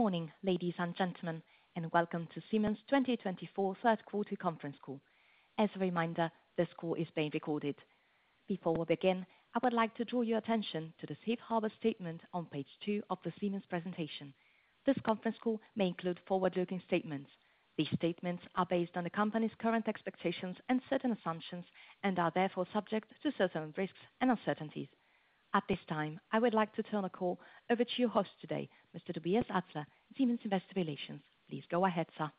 Good morning, ladies and gentlemen, and welcome to Siemens 2024 third quarter conference call. As a reminder, this call is being recorded. Before we begin, I would like to draw your attention to the safe harbor statement on page two of the Siemens presentation. This conference call may include forward-looking statements. These statements are based on the company's current expectations and certain assumptions and are therefore subject to certain risks and uncertainties. At this time, I would like to turn the call over to your host today, Mr. Tobias Atzler, Siemens Investor Relations. Please go ahead, sir.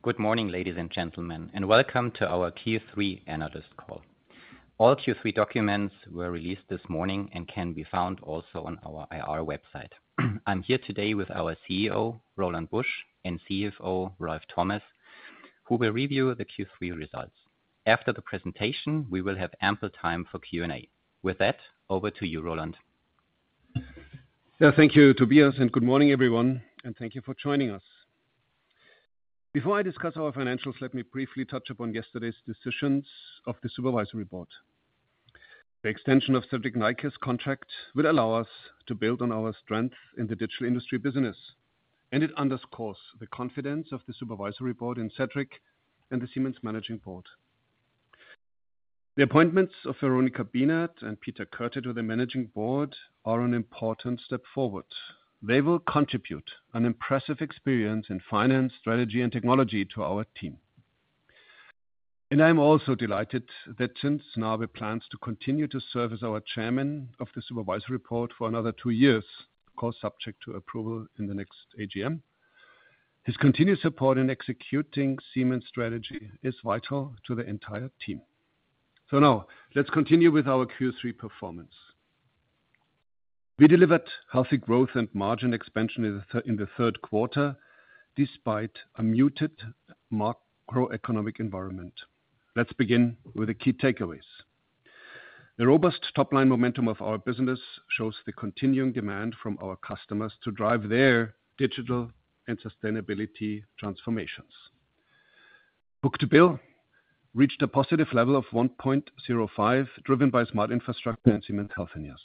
Good morning, ladies and gentlemen, and welcome to our Q3 analyst call. All Q3 documents were released this morning and can be found also on our IR website. I'm here today with our CEO, Roland Busch, and CFO, Ralf Thomas, who will review the Q3 results. After the presentation, we will have ample time for Q&A. With that, over to you, Roland. Yeah, thank you, Tobias, and good morning, everyone, and thank you for joining us. Before I discuss our financials, let me briefly touch upon yesterday's decisions of the Supervisory Board. The extension of Cedric Neike's contract will allow us to build on our strength in the digital industry business, and it underscores the confidence of the Supervisory Board in Cedric and the Siemens Managing Board. The appointments of Veronika Bienert and Peter Körte to the Managing Board are an important step forward. They will contribute an impressive experience in finance, strategy, and technology to our team. And I'm also delighted that Jim Hagemann Snabe now plans to continue to serve as our chairman of the Supervisory Board for another two years, of course, subject to approval in the next AGM. His continued support in executing Siemens strategy is vital to the entire team. So now let's continue with our Q3 performance. We delivered healthy growth and margin expansion in the third quarter, despite a muted macroeconomic environment. Let's begin with the key takeaways. The robust top-line momentum of our business shows the continuing demand from our customers to drive their digital and sustainability transformations. Book-to-bill reached a positive level of 1.05, driven by Smart Infrastructure and Siemens Healthineers.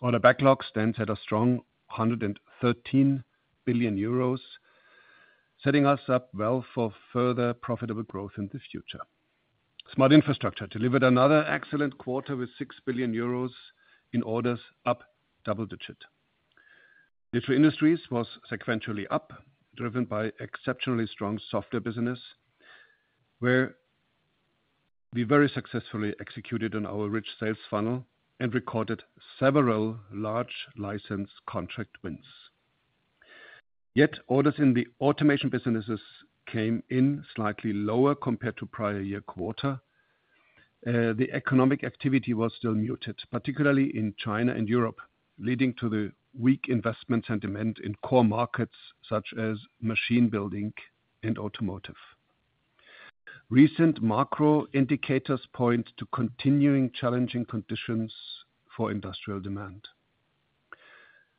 Order backlog stands at a strong 113 billion euros, setting us up well for further profitable growth in the future. Smart Infrastructure delivered another excellent quarter with 6 billion euros in orders, up double digits. Digital Industries was sequentially up, driven by exceptionally strong Software business, where we very successfully executed on our rich sales funnel and recorded several large license contract wins. Yet orders in the Automation businesses came in slightly lower compared to prior-year quarter. The economic activity was still muted, particularly in China and Europe, leading to the weak investment sentiment in core markets such as machine building and automotive. Recent macro indicators point to continuing challenging conditions for industrial demand.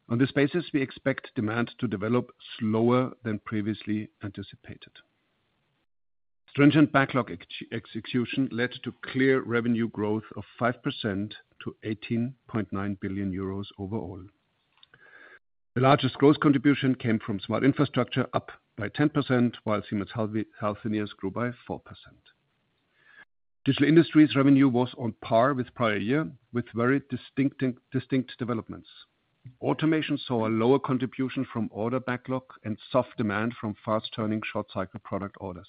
On this basis, we expect demand to develop slower than previously anticipated. Stringent backlog execution led to clear revenue growth of 5% to 18.9 billion euros overall. The largest growth contribution came from Smart Infrastructure, up by 10%, while Siemens Healthineers grew by 4%. Digital Industries revenue was on par with prior year, with very distinct developments. Automation saw a lower contribution from order backlog and soft demand from fast-turning short-cycle product orders.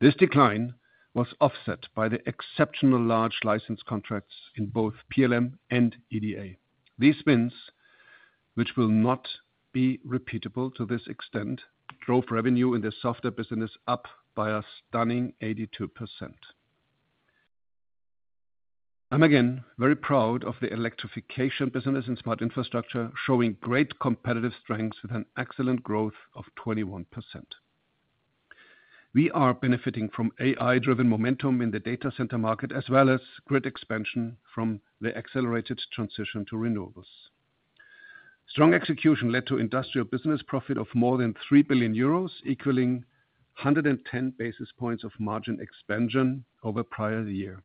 This decline was offset by the exceptional large license contracts in both PLM and EDA. These wins, which will not be repeatable to this extent, drove revenue in the Software business up by a stunning 82%. I'm again very proud of the electrification business and smart infrastructure, showing great competitive strengths with an excellent growth of 21%. We are benefiting from AI-driven momentum in the data center market, as well as grid expansion from the accelerated transition to renewables. Strong execution led to industrial business profit of more than 3 billion euros, equaling 110 basis points of margin expansion over prior year.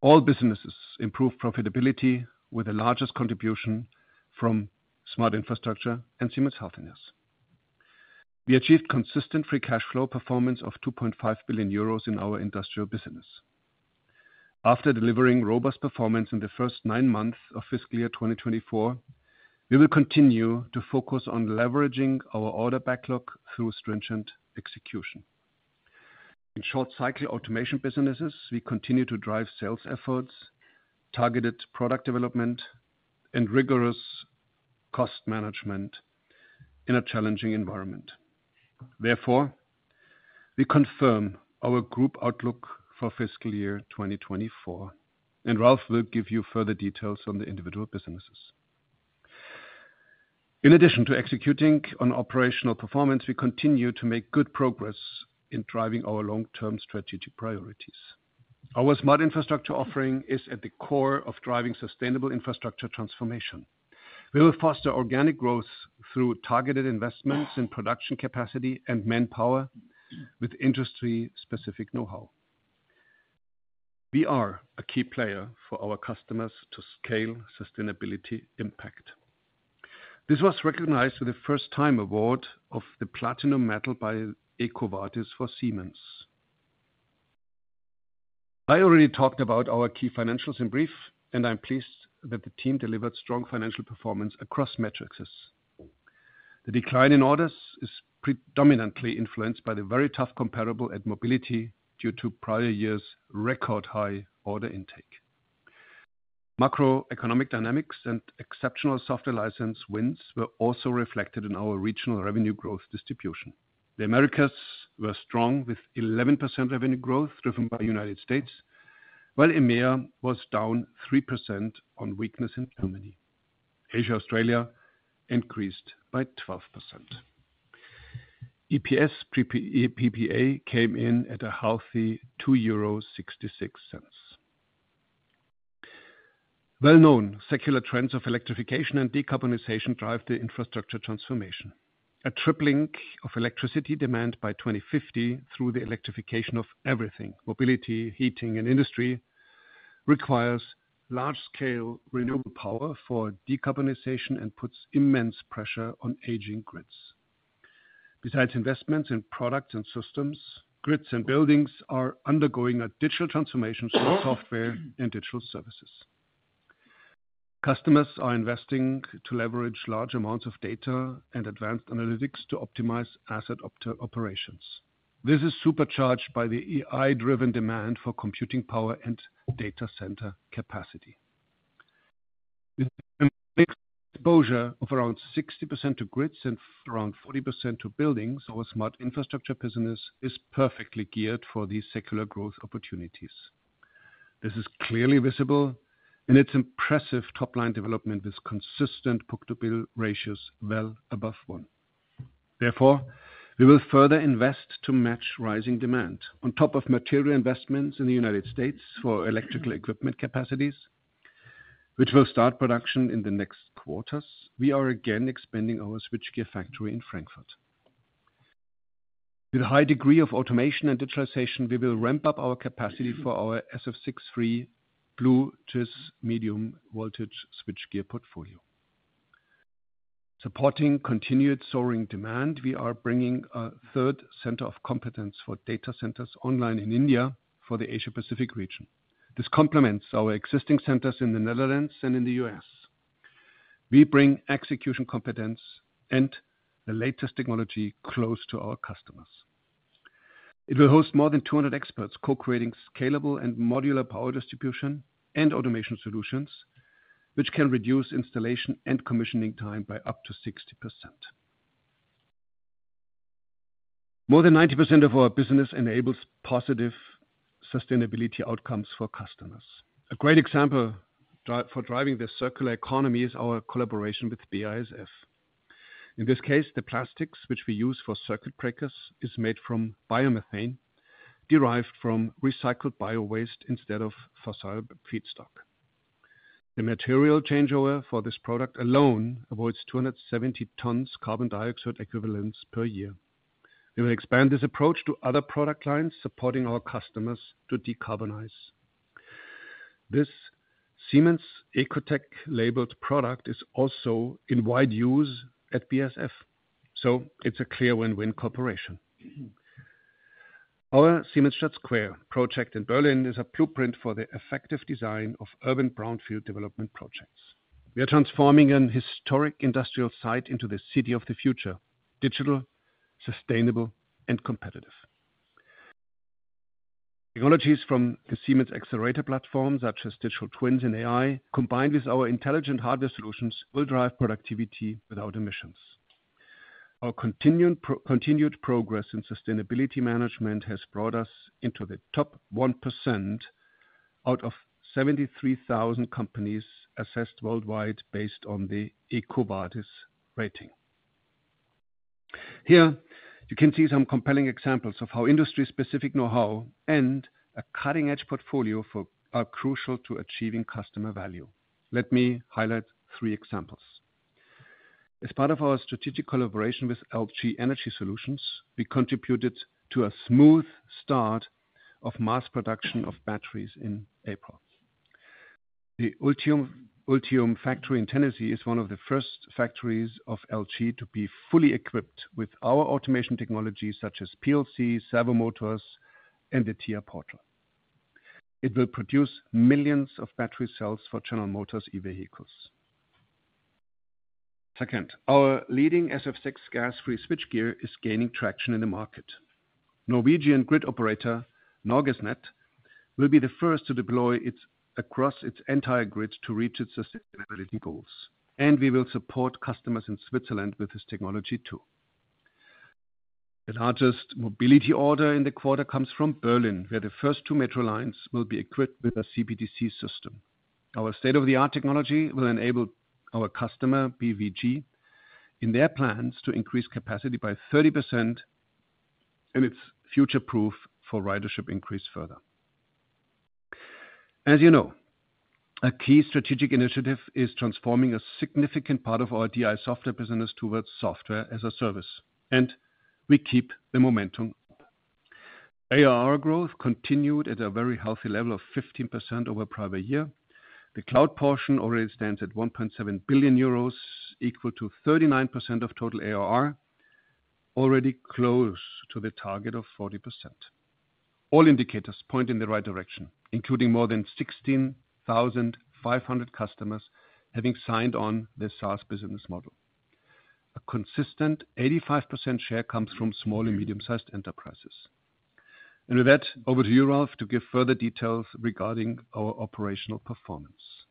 All businesses improved profitability, with the largest contribution from smart infrastructure and Siemens Healthineers. We achieved consistent free cash flow performance of 2.5 billion euros in our industrial business. After delivering robust performance in the first nine months of fiscal year 2024, we will continue to focus on leveraging our order backlog through stringent execution. In short-cycle Automation businesses, we continue to drive sales efforts, targeted product development and rigorous cost management in a challenging environment. Therefore, we confirm our group outlook for fiscal year 2024, and Ralf will give you further details on the individual businesses. In addition to executing on operational performance, we continue to make good progress in driving our long-term strategic priorities. Our Smart Infrastructure offering is at the core of driving sustainable infrastructure transformation. We will foster organic growth through targeted investments in production capacity and manpower with industry-specific know-how.... We are a key player for our customers to scale sustainability impact. This was recognized for the first time award of the platinum medal by EcoVadis for Siemens. I already talked about our key financials in brief, and I'm pleased that the team delivered strong financial performance across metrics. The decline in orders is predominantly influenced by the very tough comparable at Mobility due to prior years' record high order intake. Macroeconomic dynamics and exceptional Software license wins were also reflected in our regional revenue growth distribution. The Americas were strong, with 11% revenue growth driven by United States, while EMEA was down 3% on weakness in Germany. Asia, Australia increased by 12%. EPS pre PPA came in at a healthy 2.66 euro. Well-known secular trends of electrification and decarbonization drive the infrastructure transformation. A tripling of electricity demand by 2050 through the electrification of everything, Mobility, heating, and industry, requires large-scale renewable power for decarbonization and puts immense pressure on aging grids. Besides investments in products and systems, grids and buildings are undergoing a digital transformation through Software and digital services. Customers are investing to leverage large amounts of data and advanced analytics to optimize asset operations. This is supercharged by the AI-driven demand for computing power and data center capacity. With a mixed exposure of around 60% to grids and around 40% to buildings, our Smart Infrastructure business is perfectly geared for these secular growth opportunities. This is clearly visible, and its impressive top-line development is consistent book-to-bill ratios well above one. Therefore, we will further invest to match rising demand. On top of material investments in the United States for electrical equipment capacities, which will start production in the next quarters, we are again expanding our switchgear factory in Frankfurt. With a high degree of Automation and digitalization, we will ramp up our capacity for our SF6-free blue GIS medium voltage switchgear portfolio. Supporting continued soaring demand, we are bringing a third center of competence for data centers online in India for the Asia Pacific region. This complements our existing centers in the Netherlands and in the U.S. We bring execution competence and the latest technology close to our customers. It will host more than 200 experts, co-creating scalable and modular power distribution and Automation solutions, which can reduce installation and commissioning time by up to 60%. More than 90% of our business enables positive sustainability outcomes for customers. A great example for driving this circular economy is our collaboration with BASF. In this case, the plastics, which we use for circuit breakers, is made from biomethane, derived from recycled biowaste instead of fossil feedstock. The material changeover for this product alone avoids 270 tons carbon dioxide equivalents per year. We will expand this approach to other product lines, supporting our customers to decarbonize. This Siemens EcoTech labeled product is also in wide use at BASF, so it's a clear win-win cooperation. Our Siemensstadt Square project in Berlin is a blueprint for the effective design of urban brownfield development projects. We are transforming an historic industrial site into the city of the future: digital, sustainable and competitive. Technologies from the Siemens Xcelerator platform, such as digital twins and AI, combined with our intelligent hardware solutions, will drive productivity without emissions. Our continued progress in sustainability management has brought us into the top 1% out of 73,000 companies assessed worldwide based on the EcoVadis rating. Here, you can see some compelling examples of how industry-specific know-how and a cutting-edge portfolio are crucial to achieving customer value. Let me highlight three examples. As part of our strategic collaboration with LG Energy Solution, we contributed to a smooth start of mass production of batteries in April. The Ultium, Ultium factory in Tennessee is one of the first factories of LG to be fully equipped with our Automation technology, such as PLC, servo motors, and the TIA Portal. It will produce millions of battery cells for General Motors EV vehicles. Second, our leading SF6 gas-free switchgear is gaining traction in the market. Norwegian grid operator, Norgesnett, will be the first to deploy it across its entire grid to reach its sustainability goals, and we will support customers in Switzerland with this technology, too. The largest Mobility order in the quarter comes from Berlin, where the first two metro lines will be equipped with a CBTC system. Our state-of-the-art technology will enable our customer, BVG, in their plans to increase capacity by 30%, and it's future-proof for ridership increase further. As you know, a key strategic initiative is transforming a significant part of our DI Software business towards Software as a service, and we keep the momentum. ARR growth continued at a very healthy level of 15% over prior year. The cloud portion already stands at 1.7 billion euros, equal to 39% of total ARR, already close to the target of 40%. All indicators point in the right direction, including more than 16,500 customers having signed on the SaaS business model. A consistent 85% share comes from small and medium-sized enterprises. And with that, over to you, Ralf, to give further details regarding our operational performance.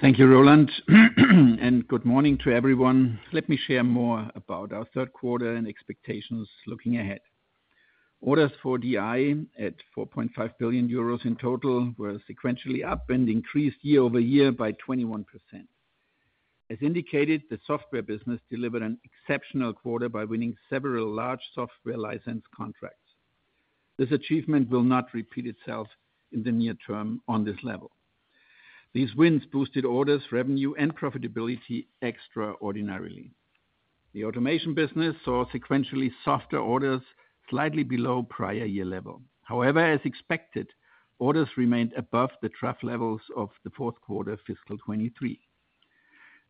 Thank you, Roland, and good morning to everyone. Let me share more about our third quarter and expectations looking ahead. Orders for DI at 4.5 billion euros in total, were sequentially up and increased year-over-year by 21%. As indicated, the Software business delivered an exceptional quarter by winning several large Software license contracts. This achievement will not repeat itself in the near term on this level. These wins boosted orders, revenue, and profitability extraordinarily. The Automation business saw sequentially softer orders slightly below prior year level. However, as expected, orders remained above the trough levels of the fourth quarter, fiscal 2023.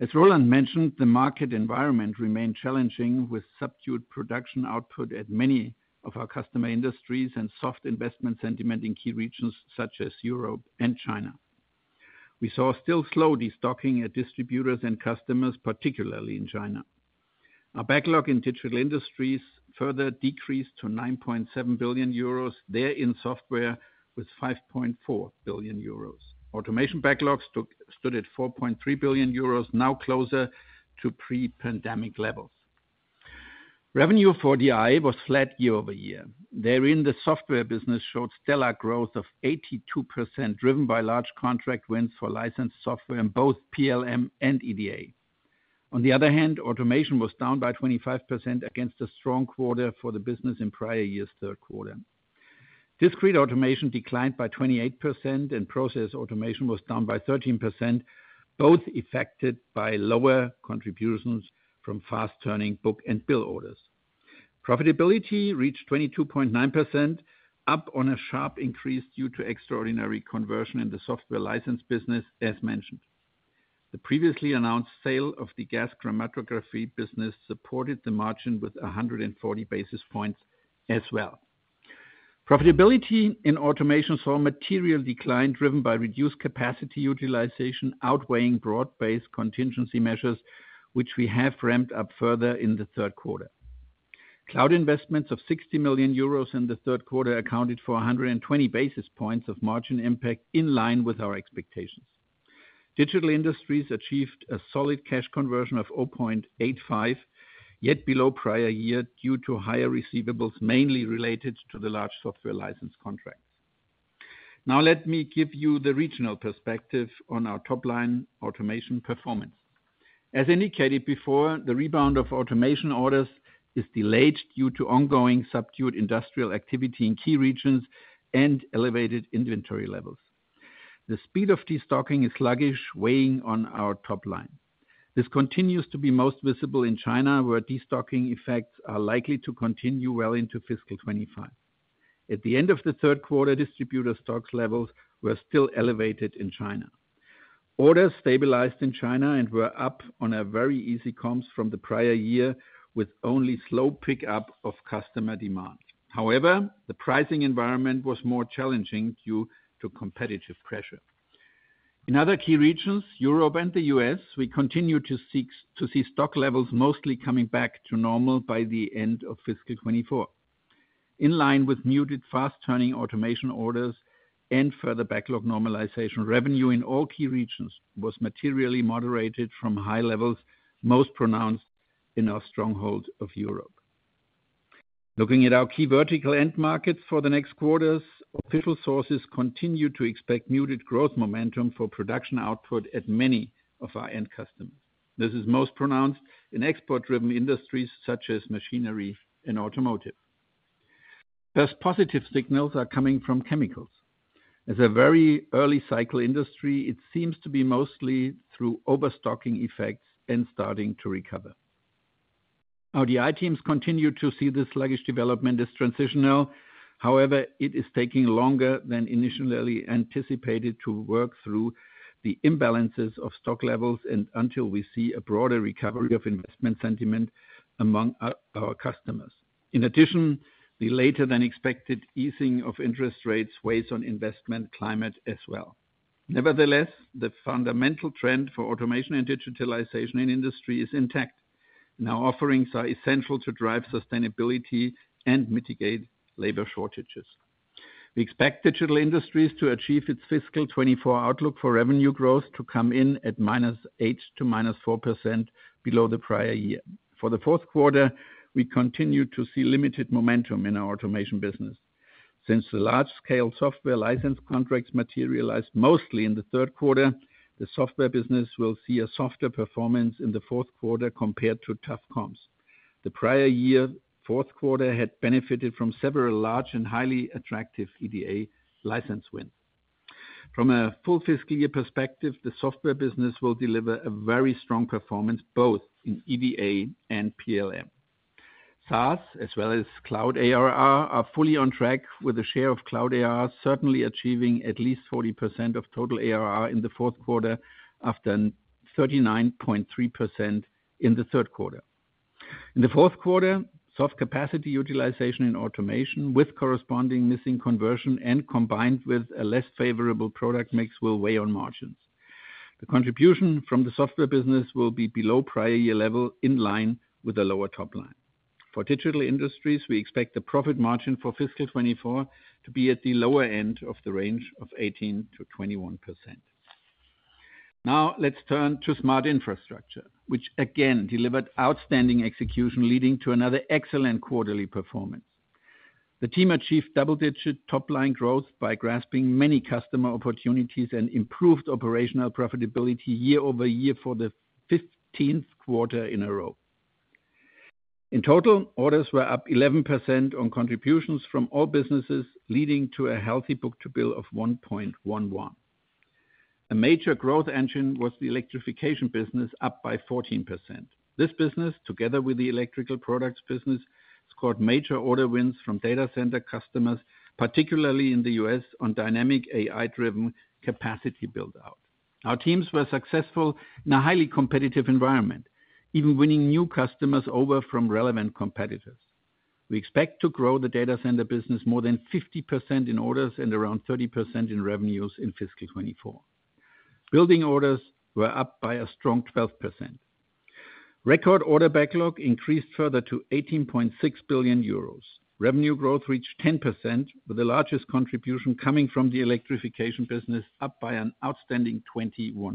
As Roland mentioned, the market environment remained challenging, with subdued production output at many of our customer industries and soft investment sentiment in key regions such as Europe and China. We saw still slow destocking at distributors and customers, particularly in China. Our backlog in Digital Industries further decreased to 9.7 billion euros. Therein, Software with 5.4 billion euros. Automation backlogs stood at 4.3 billion euros, now closer to pre-pandemic levels. Revenue for DI was flat year-over-year. Therein, the Software business showed stellar growth of 82%, driven by large contract wins for licensed Software in both PLM and EDA. On the other hand, Automation was down by 25% against a strong quarter for the business in prior years, third quarter. Discrete Automation declined by 28%, and Process Automation was down by 13%, both affected by lower contributions from fast-turning book and bill orders. Profitability reached 22.9%, up on a sharp increase due to extraordinary conversion in the Software license business as mentioned. The previously announced sale of the gas chromatography business supported the margin with 140 basis points as well. Profitability in Automation saw a material decline, driven by reduced capacity utilization, outweighing broad-based contingency measures, which we have ramped up further in the third quarter. Cloud investments of 60 million euros in the third quarter accounted for 120 basis points of margin impact in line with our expectations. Digital Industries achieved a solid cash conversion of 0.85, yet below prior year, due to higher receivables, mainly related to the large Software license contracts. Now, let me give you the regional perspective on our top line Automation performance. As indicated before, the rebound of Automation orders is delayed due to ongoing subdued industrial activity in key regions and elevated inventory levels. The speed of destocking is sluggish, weighing on our top line. This continues to be most visible in China, where destocking effects are likely to continue well into fiscal 2025. At the end of the third quarter, distributor stock levels were still elevated in China. Orders stabilized in China and were up on a very easy comps from the prior year, with only slow pick up of customer demand. However, the pricing environment was more challenging due to competitive pressure. In other key regions, Europe and the US, we continue to see stock levels mostly coming back to normal by the end of fiscal 2024. In line with muted fast turning Automation orders and further backlog normalization, revenue in all key regions was materially moderated from high levels, most pronounced in our stronghold of Europe. Looking at our key vertical end markets for the next quarters, official sources continue to expect muted growth momentum for production output at many of our end customers. This is most pronounced in export-driven industries, such as machinery and automotive. Thus, positive signals are coming from chemicals. As a very early cycle industry, it seems to be mostly through overstocking effects and starting to recover. Our DI teams continue to see this sluggish development as transitional. However, it is taking longer than initially anticipated to work through the imbalances of stock levels and until we see a broader recovery of investment sentiment among our, our customers. In addition, the later than expected easing of interest rates weighs on investment climate as well. Nevertheless, the fundamental trend for Automation and digitalization in industry is intact. Now, offerings are essential to drive sustainability and mitigate labor shortages. We expect Digital Industries to achieve its fiscal 2024 outlook for revenue growth to come in at -8% to -4% below the prior year. For the fourth quarter, we continue to see limited momentum in our Automation business. Since the large-scale Software license contracts materialized mostly in the third quarter, the Software business will see a softer performance in the fourth quarter compared to tough comps. The prior year, fourth quarter had benefited from several large and highly attractive EDA license wins. From a full fiscal year perspective, the Software business will deliver a very strong performance, both in EDA and PLM. SaaS, as well as cloud ARR, are fully on track with a share of cloud ARR, certainly achieving at least 40% of total ARR in the fourth quarter, after 39.3% in the third quarter. In the fourth quarter, soft capacity utilization and Automation, with corresponding missing conversion and combined with a less favorable product mix, will weigh on margins. The contribution from the Software business will be below prior year level, in line with the lower top line. For Digital Industries, we expect the profit margin for fiscal 2024 to be at the lower end of the range of 18%-21%. Now, let's turn to Smart Infrastructure, which again, delivered outstanding execution, leading to another excellent quarterly performance. The team achieved double-digit top-line growth by grasping many customer opportunities and improved operational profitability year-over-year for the fifteenth quarter in a row. In total, orders were up 11% on contributions from all businesses, leading to a healthy book-to-bill of 1.1:1. A major growth engine was the Electrification business, up by 14%. This business, together with the Electrical Products business, scored major order wins from data center customers, particularly in the U.S., on dynamic AI-driven capacity build out. Our teams were successful in a highly competitive environment, even winning new customers over from relevant competitors. We expect to grow the data center business more than 50% in orders and around 30% in revenues in fiscal 2024. Building orders were up by a strong 12%. Record order backlog increased further to 18.6 billion euros. Revenue growth reached 10%, with the largest contribution coming from the electrification business, up by an outstanding 21%.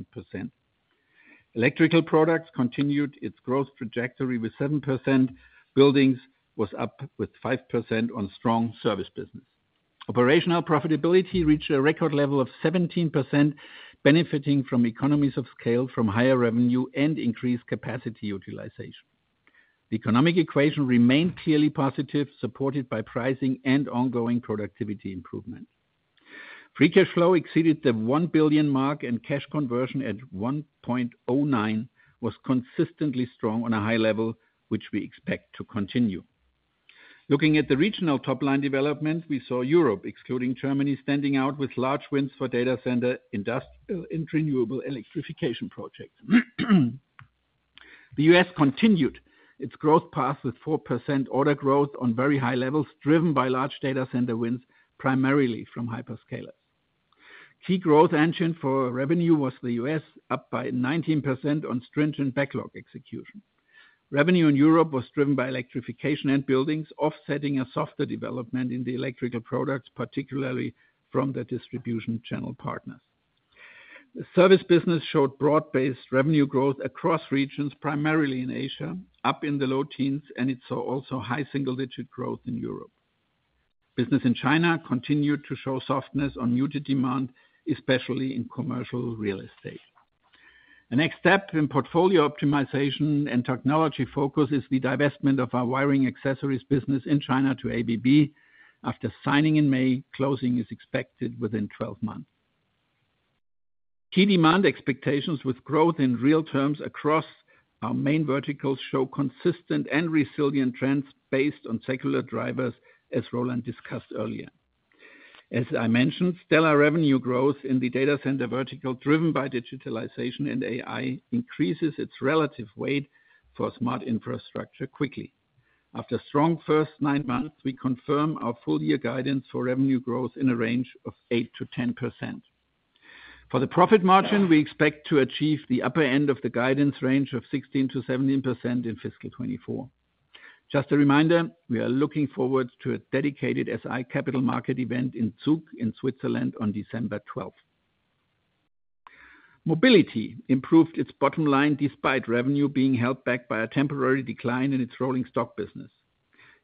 Electrical Products continued its growth trajectory with 7%. Buildings was up with 5% on strong service business. Operational profitability reached a record level of 17%, benefiting from economies of scale, from higher revenue and increased capacity utilization. The economic equation remained clearly positive, supported by pricing and ongoing productivity improvement. Free cash flow exceeded the 1 billion mark, and cash conversion at 1.09 was consistently strong on a high level, which we expect to continue. Looking at the regional top line development, we saw Europe, excluding Germany, standing out with large wins for data center, industrial, and renewable electrification projects. The U.S. continued its growth path with 4% order growth on very high levels, driven by large data center wins, primarily from hyperscalers. Key growth engine for revenue was the U.S., up by 19% on stringent backlog execution. Revenue in Europe was driven by electrification and buildings, offsetting a softer development in the Electrical Products, particularly from the distribution channel partners. The service business showed broad-based revenue growth across regions, primarily in Asia, up in the low teens, and it saw also high single-digit growth in Europe. Business in China continued to show softness on muted demand, especially in commercial real estate. The next step in portfolio optimization and technology focus is the divestment of our wiring accessories business in China to ABB. After signing in May, closing is expected within 12 months. Key demand expectations with growth in real terms across our main verticals show consistent and resilient trends based on secular drivers, as Roland discussed earlier. As I mentioned, stellar revenue growth in the data center vertical, driven by digitalization and AI, increases its relative weight for smart infrastructure quickly. After strong first 9 months, we confirm our full year guidance for revenue growth in a range of 8%-10%. For the profit margin, we expect to achieve the upper end of the guidance range of 16%-17% in fiscal 2024. Just a reminder, we are looking forward to a dedicated SI capital market event in Zug, in Switzerland, on December twelfth. Mobility improved its bottom line, despite revenue being held back by a temporary decline in its Rolling Stock business.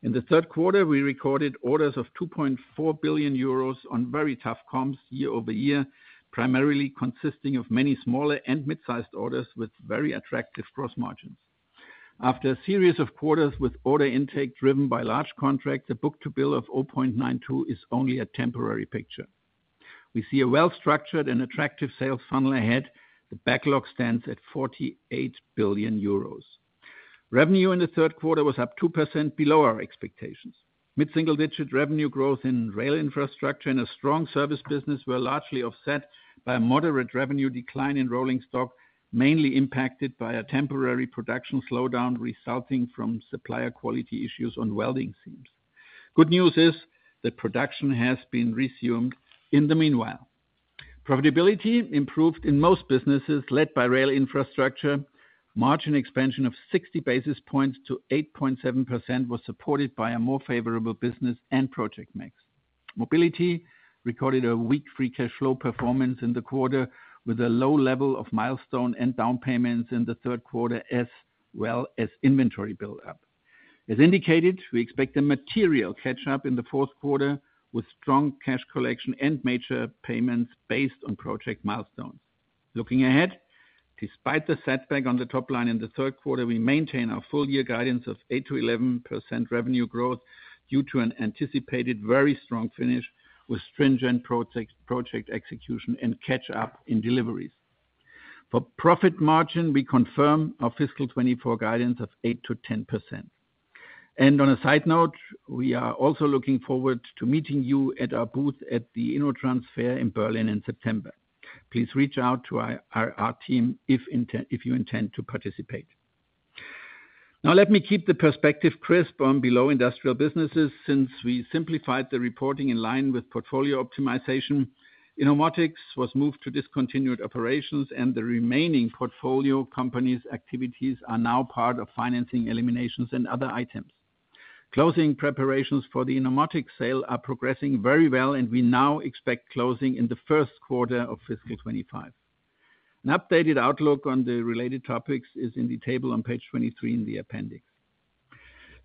In the third quarter, we recorded orders of 2.4 billion euros on very tough comps year-over-year, primarily consisting of many smaller and mid-sized orders with very attractive gross margins. After a series of quarters with order intake driven by large contracts, the book to bill of 0.92 is only a temporary picture. We see a well-structured and attractive sales funnel ahead. The backlog stands at 48 billion euros. Revenue in the third quarter was up 2% below our expectations. Mid-single-digit revenue growth in Rail Infrastructure and a strong service business were largely offset by a moderate revenue decline in Rolling Stock, mainly impacted by a temporary production slowdown, resulting from supplier quality issues on welding seams. Good news is that production has been resumed in the meanwhile. Profitability improved in most businesses, led by Rail Infrastructure. Margin expansion of 60 basis points to 8.7% was supported by a more favorable business and project mix. Mobility recorded a weak free cash flow performance in the quarter, with a low level of milestone and down payments in the third quarter, as well as inventory buildup. As indicated, we expect a material catch-up in the fourth quarter, with strong cash collection and major payments based on project milestones.... Looking ahead, despite the setback on the top line in the third quarter, we maintain our full year guidance of 8%-11% revenue growth due to an anticipated very strong finish with stringent project execution and catch up in deliveries. For profit margin, we confirm our fiscal 2024 guidance of 8%-10%. On a side note, we are also looking forward to meeting you at our booth at the InnoTrans Fair in Berlin in September. Please reach out to our team if you intend to participate. Now, let me keep the perspective crisp on below industrial businesses, since we simplified the reporting in line with portfolio optimization. Innomotics was moved to discontinued operations, and the remaining portfolio companies activities are now part of financing eliminations and other items. Closing preparations for the Innomotics sale are progressing very well, and we now expect closing in the first quarter of fiscal 2025. An updated outlook on the related topics is in the table on page 23 in the appendix.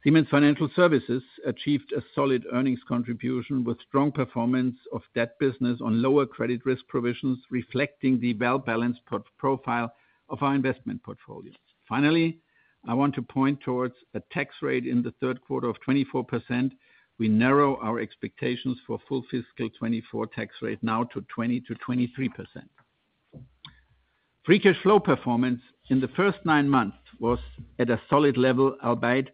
Siemens Financial Services achieved a solid earnings contribution, with strong performance of debt business on lower credit risk provisions, reflecting the well-balanced portfolio profile of our investment portfolio. Finally, I want to point towards a tax rate in the third quarter of 24%. We narrow our expectations for full fiscal 2024 tax rate now to 20%-23%. Free cash flow performance in the first nine months was at a solid level, albeit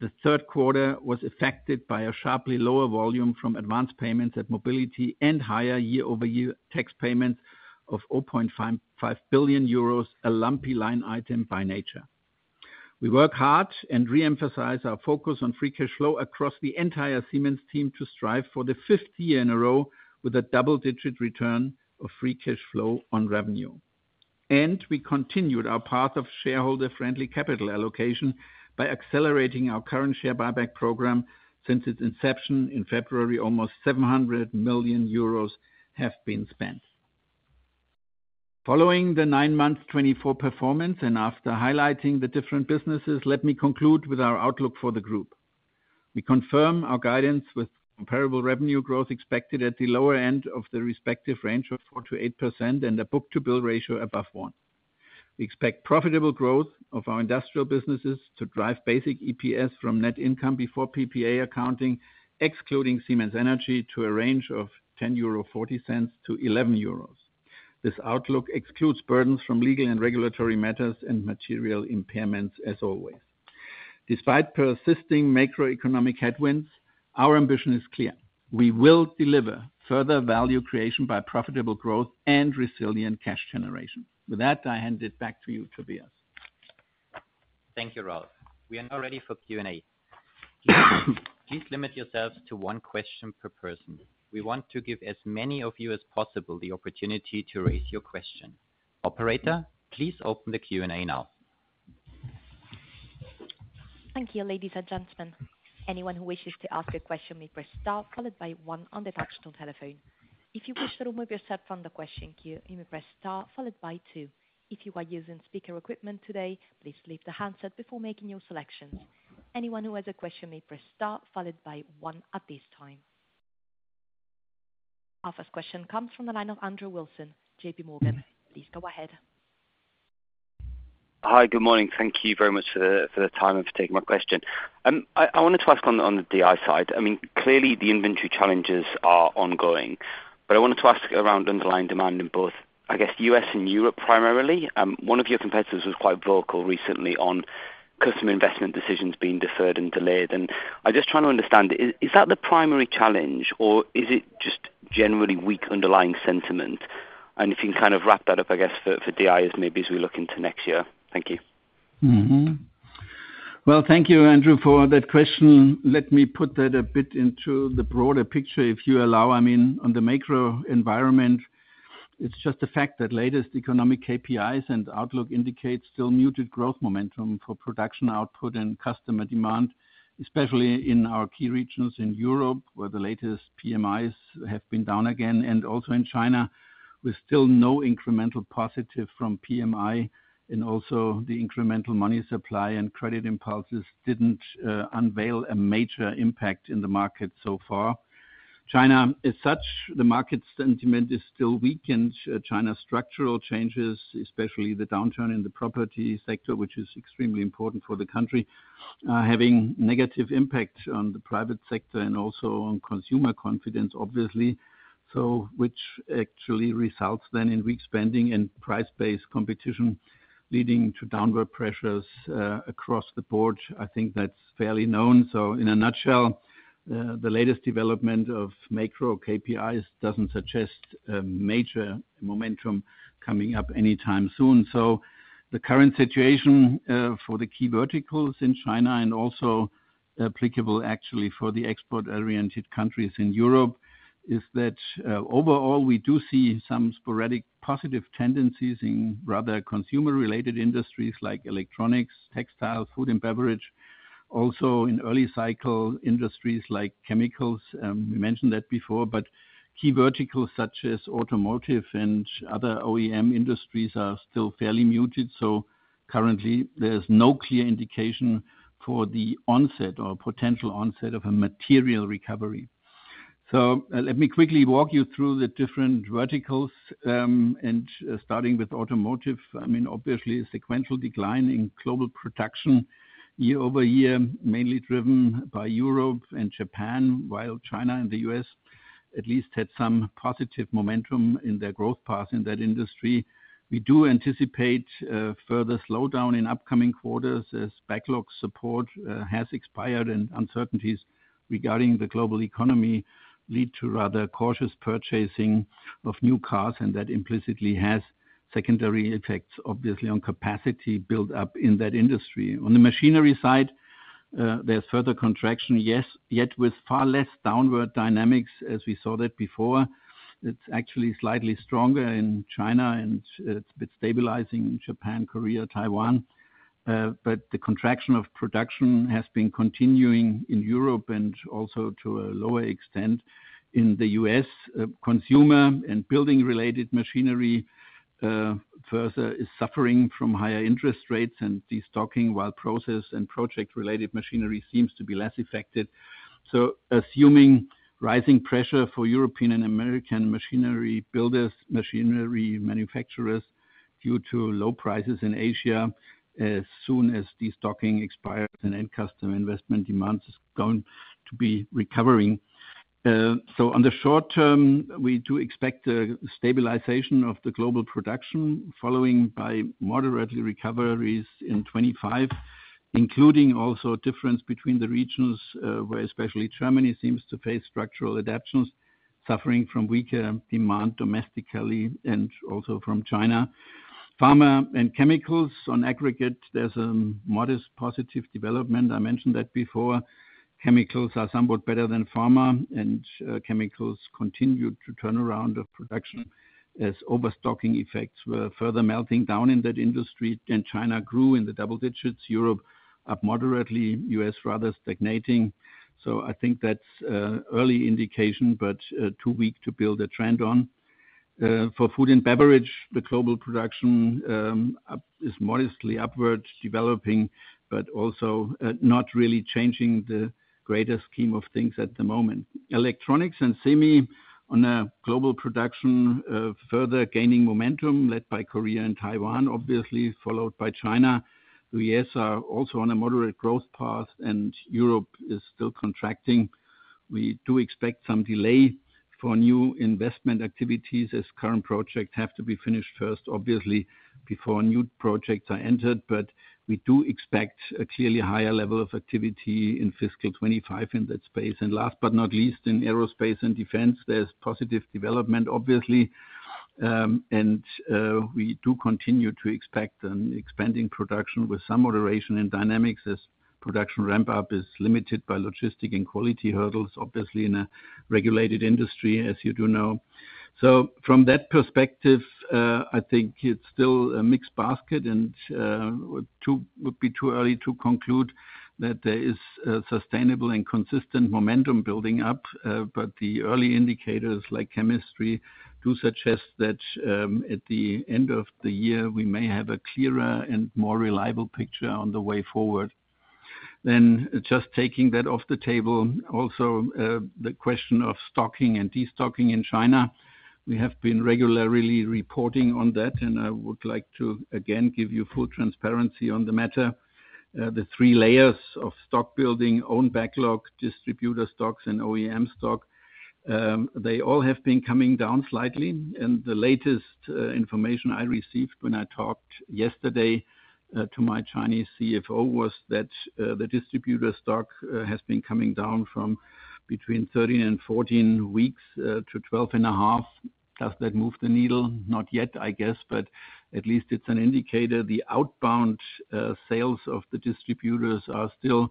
the third quarter was affected by a sharply lower volume from advanced payments at Mobility and higher year-over-year tax payments of 0.5 billion euros, a lumpy line item by nature. We work hard and re-emphasize our focus on free cash flow across the entire Siemens team to strive for the fifth year in a row with a double-digit return of free cash flow on revenue. We continued our path of shareholder-friendly capital allocation by accelerating our current share buyback program. Since its inception in February, almost 700 million euros have been spent. Following the nine-month 2024 performance and after highlighting the different businesses, let me conclude with our outlook for the group. We confirm our guidance with comparable revenue growth expected at the lower end of the respective range of 4%-8% and a book-to-bill ratio above one. We expect profitable growth of our industrial businesses to drive basic EPS from net income before PPA accounting, excluding Siemens Energy, to a range of 10.40-11 euro. This outlook excludes burdens from legal and regulatory matters and material impairments, as always. Despite persisting macroeconomic headwinds, our ambition is clear: We will deliver further value creation by profitable growth and resilient cash generation. With that, I hand it back to you, Tobias. Thank you, Ralf. We are now ready for Q&A. Please limit yourselves to one question per person. We want to give as many of you as possible the opportunity to raise your question. Operator, please open the Q&A now. Thank you, ladies and gentlemen. Anyone who wishes to ask a question may press star followed by one on the touchtone telephone. If you wish to remove yourself from the question queue, you may press star followed by two. If you are using speaker equipment today, please leave the handset before making your selections. Anyone who has a question may press star followed by one at this time. Our first question comes from the line of Andrew Wilson, JP Morgan. Please go ahead. Hi, good morning. Thank you very much for the time and for taking my question. I wanted to ask on the DI side. I mean, clearly the inventory challenges are ongoing, but I wanted to ask around underlying demand in both, I guess, U.S. and Europe, primarily. One of your competitors was quite vocal recently on customer investment decisions being deferred and delayed, and I'm just trying to understand, is that the primary challenge, or is it just generally weak underlying sentiment? And if you can kind of wrap that up, I guess, for DI as maybe as we look into next year. Thank you. Mm-hmm. Well, thank you, Andrew, for that question. Let me put that a bit into the broader picture, if you allow. I mean, on the macro environment, it's just the fact that latest economic KPIs and outlook indicate still muted growth momentum for production output and customer demand, especially in our key regions in Europe, where the latest PMIs have been down again, and also in China, with still no incremental positive from PMI. And also the incremental money supply and credit impulses didn't unveil a major impact in the market so far. China, as such, the market sentiment is still weakened. China's structural changes, especially the downturn in the property sector, which is extremely important for the country, having negative impact on the private sector and also on consumer confidence, obviously, so which actually results then in weak spending and price-based competition, leading to downward pressures, across the board. I think that's fairly known. So in a nutshell, the latest development of macro KPIs doesn't suggest, major momentum coming up anytime soon. So the current situation, for the key verticals in China and also applicable actually for the export-oriented countries in Europe, is that, overall, we do see some sporadic positive tendencies in rather consumer-related industries like electronics, textiles, food and beverage, also in early cycle industries like chemicals. We mentioned that before, but key verticals such as automotive and other OEM industries are still fairly muted. So currently there's no clear indication for the onset or potential onset of a material recovery.... So, let me quickly walk you through the different verticals. And starting with automotive, I mean, obviously a sequential decline in global production year-over-year, mainly driven by Europe and Japan, while China and the U.S. at least had some positive momentum in their growth path in that industry. We do anticipate further slowdown in upcoming quarters as backlog support has expired, and uncertainties regarding the global economy lead to rather cautious purchasing of new cars, and that implicitly has secondary effects, obviously, on capacity build-up in that industry. On the machinery side, there's further contraction, yes, yet with far less downward dynamics as we saw that before. It's actually slightly stronger in China, and, it's stabilizing Japan, Korea, Taiwan. But the contraction of production has been continuing in Europe and also to a lower extent in the U.S. Consumer and building-related machinery further is suffering from higher interest rates and destocking, while process and project-related machinery seems to be less affected. So assuming rising pressure for European and American machinery builders, machinery manufacturers, due to low prices in Asia, as soon as destocking expires and end customer investment demands is going to be recovering. So on the short term, we do expect a stabilization of the global production, followed by moderate recoveries in 2025, including also a difference between the regions, where especially Germany seems to face structural adaptations, suffering from weaker demand domestically and also from China. Pharma and chemicals on aggregate, there's a modest positive development. I mentioned that before. Chemicals are somewhat better than pharma, and chemicals continued to turn around of production as overstocking effects were further melting down in that industry, and China grew in the double digits, Europe up moderately, U.S. rather stagnating. So I think that's a early indication, but too weak to build a trend on. For food and beverage, the global production is modestly upwards developing, but also not really changing the greater scheme of things at the moment. Electronics and semi on a global production further gaining momentum led by Korea and Taiwan, obviously, followed by China. The U.S. are also on a moderate growth path, and Europe is still contracting. We do expect some delay for new investment activities, as current projects have to be finished first, obviously, before new projects are entered. But we do expect a clearly higher level of activity in fiscal 2025 in that space. And last but not least, in aerospace and defense, there's positive development, obviously. And we do continue to expect an expanding production with some moderation in dynamics as production ramp up is limited by logistic and quality hurdles, obviously, in a regulated industry, as you do know. So from that perspective, I think it's still a mixed basket and would be too early to conclude that there is sustainable and consistent momentum building up. But the early indicators, like chemistry, do suggest that at the end of the year, we may have a clearer and more reliable picture on the way forward. Then just taking that off the table, also the question of stocking and destocking in China. We have been regularly reporting on that, and I would like to again give you full transparency on the matter. The three layers of stock building, own backlog, distributor stocks, and OEM stock, they all have been coming down slightly. The latest information I received when I talked yesterday to my Chinese CFO was that the distributor stock has been coming down from between 13 and 14 weeks to 12.5. Does that move the needle? Not yet, I guess, but at least it's an indicator. The outbound sales of the distributors are still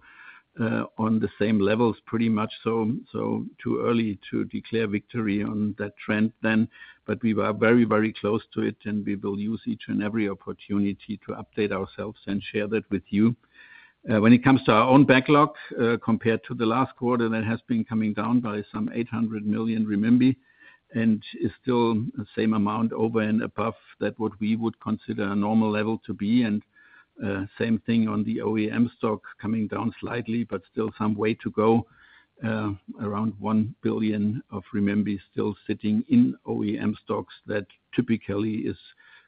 on the same levels, pretty much so, so too early to declare victory on that trend then, but we are very, very close to it, and we will use each and every opportunity to update ourselves and share that with you. When it comes to our own backlog, compared to the last quarter, that has been coming down by some 800 million renminbi, and is still the same amount over and above that what we would consider a normal level to be. Same thing on the OEM stock, coming down slightly, but still some way to go, around 1 billion of renminbi still sitting in OEM stocks. That typically is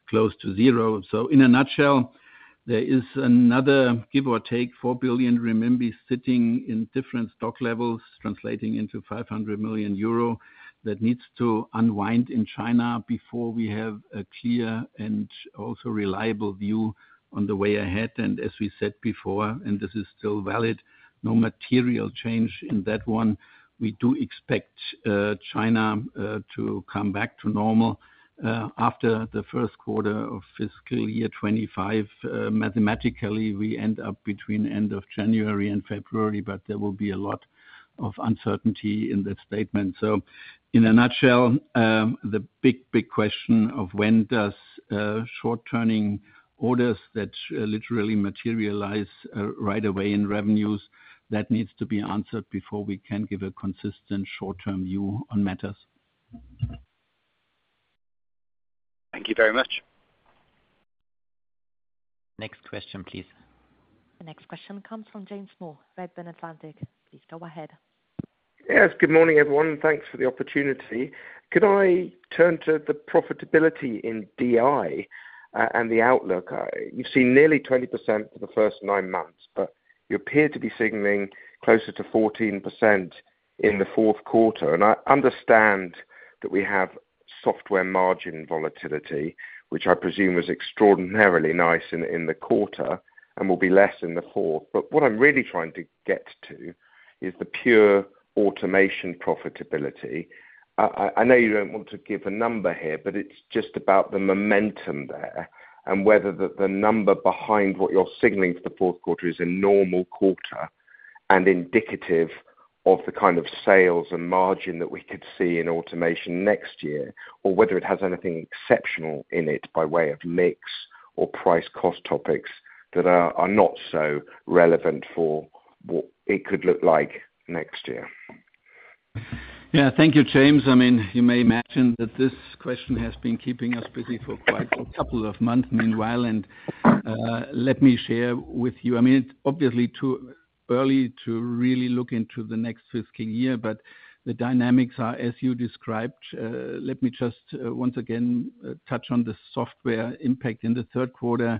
close to zero. So in a nutshell, there is another, give or take, 4 billion renminbi sitting in different stock levels, translating into 500 million euro, that needs to unwind in China before we have a clear and also reliable view on the way ahead. As we said before, and this is still valid, no material change in that one. We do expect, China, to come back to normal, after the first quarter of fiscal year 2025. Mathematically, we end up between end of January and February, but there will be a lot of uncertainty in that statement. So in a nutshell, the big, big question of when does, short-turning orders that, literally materialize, right away in revenues, that needs to be answered before we can give a consistent short-term view on matters?... Thank you very much. Next question, please. The next question comes from James Moore, Redburn Atlantic. Please go ahead. Yes, good morning, everyone, and thanks for the opportunity. Could I turn to the profitability in DI, and the outlook? You've seen nearly 20% for the first nine months, but you appear to be signaling closer to 14% in the fourth quarter. And I understand that we have Software margin volatility, which I presume was extraordinarily nice in, in the quarter and will be less in the fourth. But what I'm really trying to get to is the pure Automation profitability. I know you don't want to give a number here, but it's just about the momentum there, and whether the number behind what you're signaling for the fourth quarter is a normal quarter, and indicative of the kind of sales and margin that we could see in Automation next year, or whether it has anything exceptional in it by way of mix or price cost topics that are not so relevant for what it could look like next year. Yeah. Thank you, James. I mean, you may imagine that this question has been keeping us busy for quite a couple of months meanwhile, and let me share with you. I mean, it's obviously too early to really look into the next fiscal year, but the dynamics are as you described. Let me just once again touch on the Software impact in the third quarter.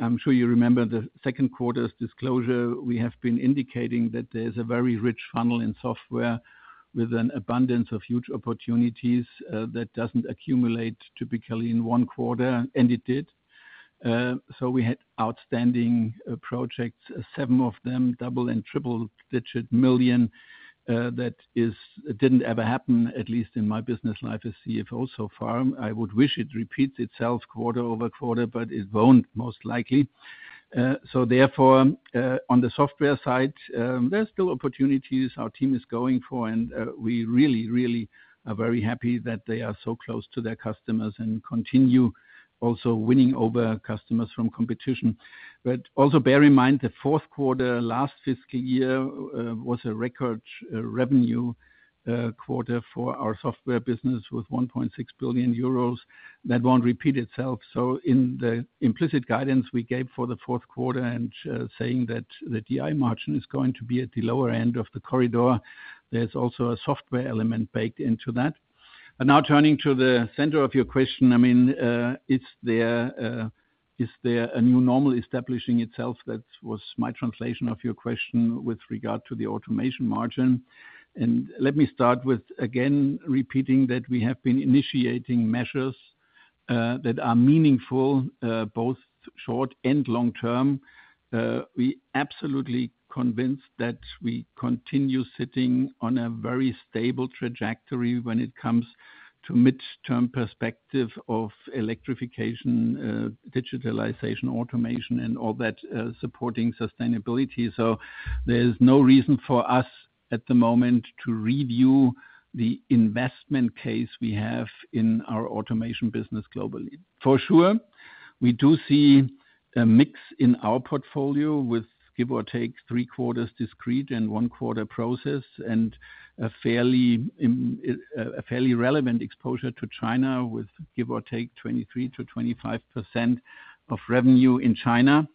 I'm sure you remember the second quarter's disclosure. We have been indicating that there's a very rich funnel in Software with an abundance of huge opportunities that doesn't accumulate typically in one quarter, and it did. So we had outstanding projects, seven of them, double and triple digit million. That is- it didn't ever happen, at least in my business life as CFO so far. I would wish it repeats itself quarter-over-quarter, but it won't, most likely. So therefore, on the Software side, there's still opportunities our team is going for, and, we really, really are very happy that they are so close to their customers and continue also winning over customers from competition. But also bear in mind, the fourth quarter, last fiscal year, was a record, revenue, quarter for our Software business with 1.6 billion euros. That won't repeat itself. So in the implicit guidance we gave for the fourth quarter, and saying that the DI margin is going to be at the lower end of the corridor, there's also a Software element baked into that. But now turning to the center of your question, I mean, is there a new normal establishing itself? That was my translation of your question with regard to the Automation margin. Let me start with again, repeating that we have been initiating measures that are meaningful both short and long term. We absolutely convinced that we continue sitting on a very stable trajectory when it comes to mid-term perspective of electrification, digitalization, Automation, and all that supporting sustainability. So there's no reason for us at the moment to review the investment case we have in our Automation business globally. For sure, we do see a mix in our portfolio with give or take three-quarters discrete and one-quarter process, and a fairly relevant exposure to China, with give or take 23%-25% of revenue in China.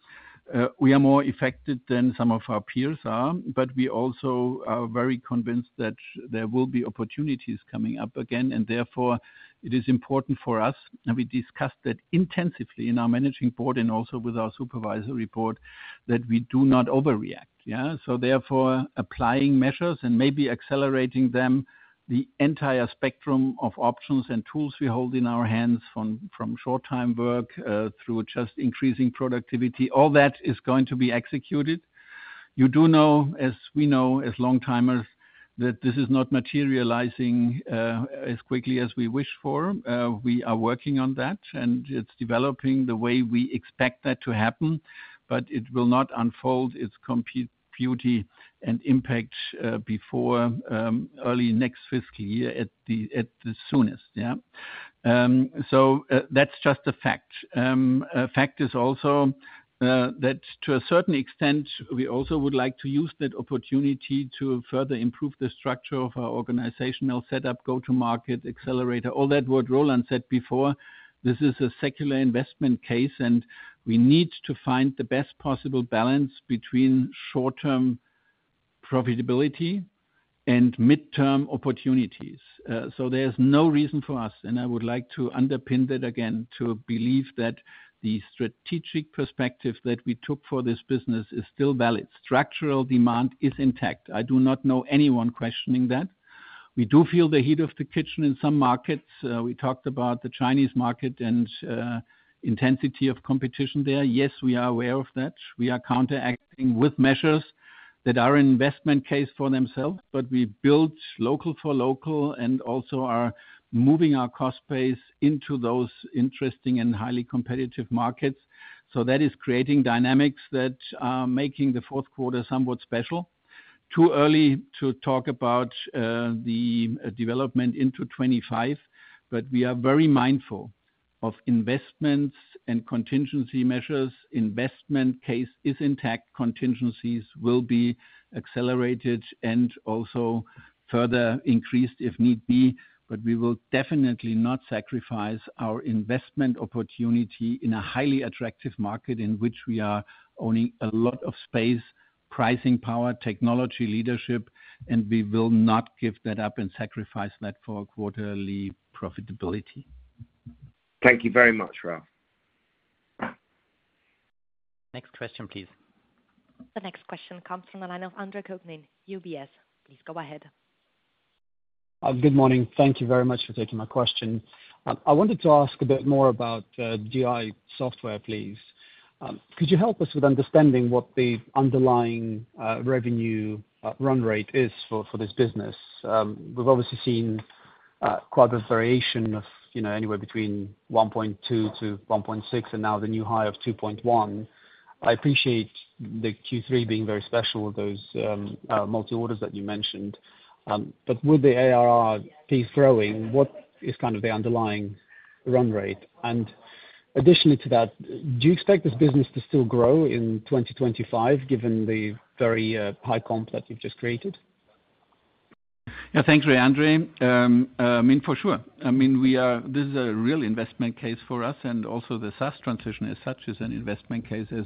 We are more affected than some of our peers are, but we also are very convinced that there will be opportunities coming up again, and therefore, it is important for us, and we discussed that intensively in our Managing Board and also with our Supervisory Board, that we do not overreact, yeah? So therefore, applying measures and maybe accelerating them, the entire spectrum of options and tools we hold in our hands from short time work through just increasing productivity, all that is going to be executed. You do know, as we know, as long timers, that this is not materializing as quickly as we wish for. We are working on that, and it's developing the way we expect that to happen, but it will not unfold its complete beauty and impact before early next fiscal year at the soonest. Yeah. So, that's just a fact. A fact is also that to a certain extent, we also would like to use that opportunity to further improve the structure of our organizational setup, go-to market, accelerator, all that what Roland said before. This is a secular investment case, and we need to find the best possible balance between short-term profitability and midterm opportunities. So there's no reason for us, and I would like to underpin that again, to believe that the strategic perspective that we took for this business is still valid. Structural demand is intact. I do not know anyone questioning that. We do feel the heat of the kitchen in some markets. We talked about the Chinese market and intensity of competition there. Yes, we are aware of that. We are counteracting with measures that are investment case for themselves, but we built local for local and also are moving our cost base into those interesting and highly competitive markets. So that is creating dynamics that are making the fourth quarter somewhat special. Too early to talk about the development into 2025, but we are very mindful of investments and contingency measures. Investment case is intact, contingencies will be accelerated and also further increased if need be. But we will definitely not sacrifice our investment opportunity in a highly attractive market in which we are owning a lot of space, pricing power, technology, leadership, and we will not give that up and sacrifice that for quarterly profitability. Thank you very much, Ralf. Next question, please. The next question comes from the line of Andre Kukhnin, UBS. Please go ahead. Good morning. Thank you very much for taking my question. I wanted to ask a bit more about, DI Software, please. Could you help us with understanding what the underlying, revenue, run rate is for, for this business? We've obviously seen, quite a variation of, you know, anywhere between 1.2-1.6, and now the new high of 2.1. I appreciate the Q3 being very special with those, multi orders that you mentioned. But with the ARR growth, what is kind of the underlying run rate? And additionally to that, do you expect this business to still grow in 2025, given the very, high comp that you've just created? Yeah, thanks, Andre. I mean, for sure. I mean, we are—this is a real investment case for us, and also the SaaS transition as such is an investment case, as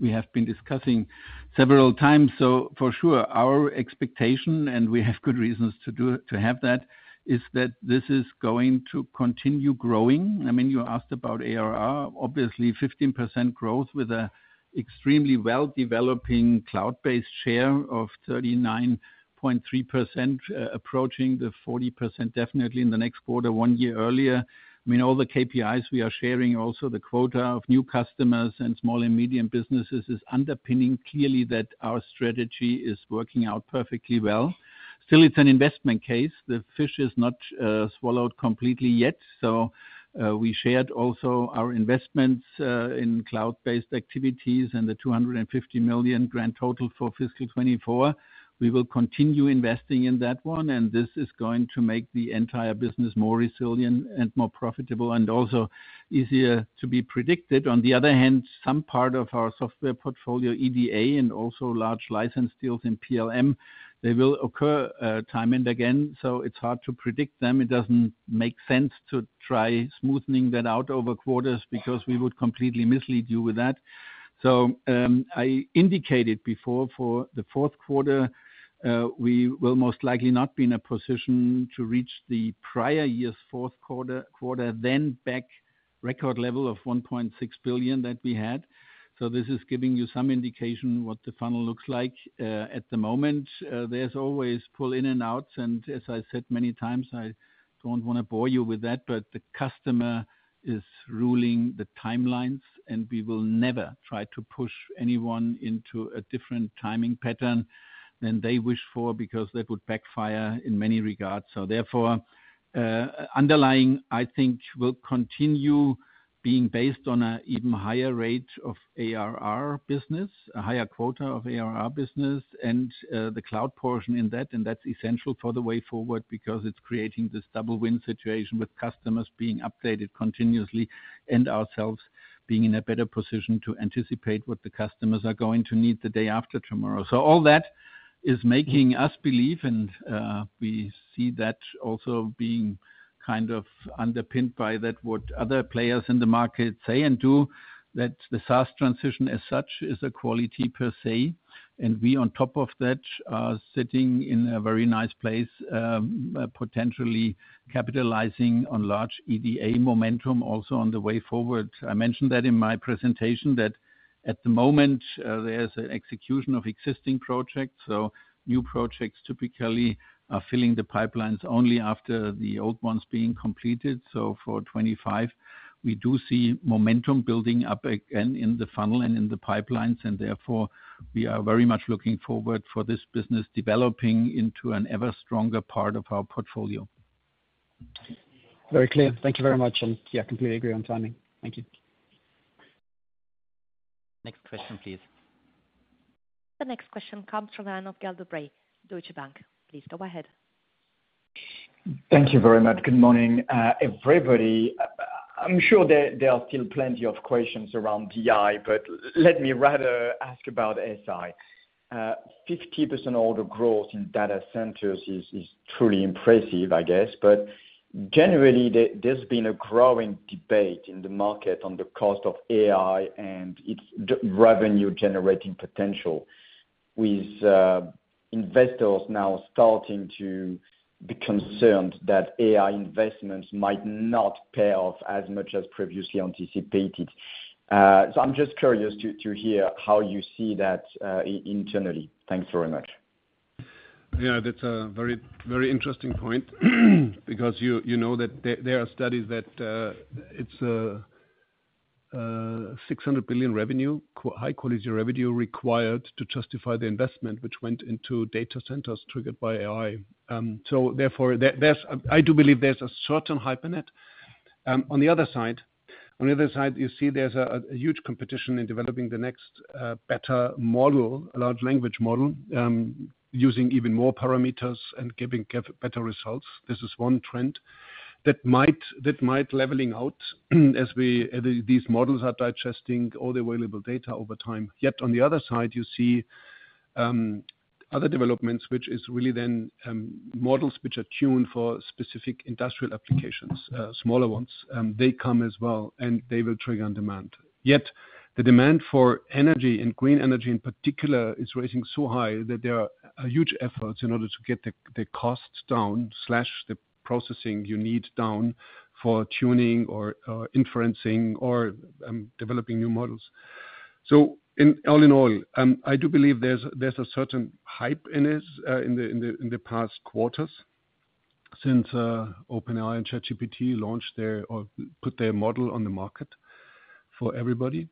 we have been discussing several times. So for sure, our expectation, and we have good reasons to do it, to have that, is that this is going to continue growing. I mean, you asked about ARR. Obviously, 15% growth with an extremely well developing cloud-based share of 39.3%, approaching the 40% definitely in the next quarter, one year earlier. I mean, all the KPIs we are sharing, also the quota of new customers and small and medium businesses, is underpinning clearly that our strategy is working out perfectly well. Still, it's an investment case. The fish is not swallowed completely yet. So, we shared also our investments in cloud-based activities and the 250 million grand total for fiscal 2024. We will continue investing in that one, and this is going to make the entire business more resilient and more profitable, and also easier to be predicted. On the other hand, some part of our Software portfolio, EDA, and also large license deals in PLM, they will occur time and again, so it's hard to predict them. It doesn't make sense to try smoothening that out over quarters, because we would completely mislead you with that. So, I indicated before for the fourth quarter, we will most likely not be in a position to reach the prior year's fourth quarter, quarter, then back record level of 1.6 billion that we had. So this is giving you some indication what the funnel looks like, at the moment. There's always pull in and outs, and as I said many times, I don't wanna bore you with that, but the customer is ruling the timelines, and we will never try to push anyone into a different timing pattern than they wish for, because that would backfire in many regards. So therefore, underlying, I think, will continue being based on a even higher rate of ARR business, a higher quota of ARR business, and the cloud portion in that. And that's essential for the way forward, because it's creating this double win situation, with customers being updated continuously and ourselves being in a better position to anticipate what the customers are going to need the day after tomorrow. So all that is making us believe, and, we see that also being kind of underpinned by that what other players in the market say and do, that the SaaS transition as such, is a quality per se. And we on top of that, are sitting in a very nice place, potentially capitalizing on large EDA momentum also on the way forward. I mentioned that in my presentation, that at the moment, there's an execution of existing projects, so new projects typically are filling the pipelines only after the old ones being completed. So for 2025, we do see momentum building up again in the funnel and in the pipelines, and therefore, we are very much looking forward for this business, developing into an ever stronger part of our portfolio. Very clear. Thank you very much. And yeah, completely agree on timing. Thank you. Next question, please. The next question comes from Gael de Bray, Deutsche Bank. Please go ahead. Thank you very much. Good morning, everybody. I'm sure there are still plenty of questions around DI, but let me rather ask about SI. 50% all the growth in data centers is truly impressive, I guess. But generally, there's been a growing debate in the market on the cost of AI and its revenue generating potential, with investors now starting to be concerned that AI investments might not pay off as much as previously anticipated. So I'm just curious to hear how you see that internally. Thanks very much. Yeah, that's a very, very interesting point, because you know that there are studies that it's a $600 billion revenue, high quality revenue required to justify the investment which went into data centers triggered by AI. So therefore, there, there's I do believe there's a certain hype on the other side. On the other side, you see there's a huge competition in developing the next better model, a large language model, using even more parameters and giving better results. This is one trend that might leveling out as these models are digesting all the available data over time. Yet, on the other side, you see other developments, which is really then models which are tuned for specific industrial applications, smaller ones, they come as well, and they will trigger on demand. Yet, the demand for energy and green energy in particular, is rising so high that there are huge efforts in order to get the, the costs down, slash the processing you need down for tuning or, or inferencing or, developing new models. So in, all in all, I do believe there's, there's a certain hype in this, in the, in the, in the past quarters since, OpenAI and ChatGPT launched their or put their model on the market for everybody.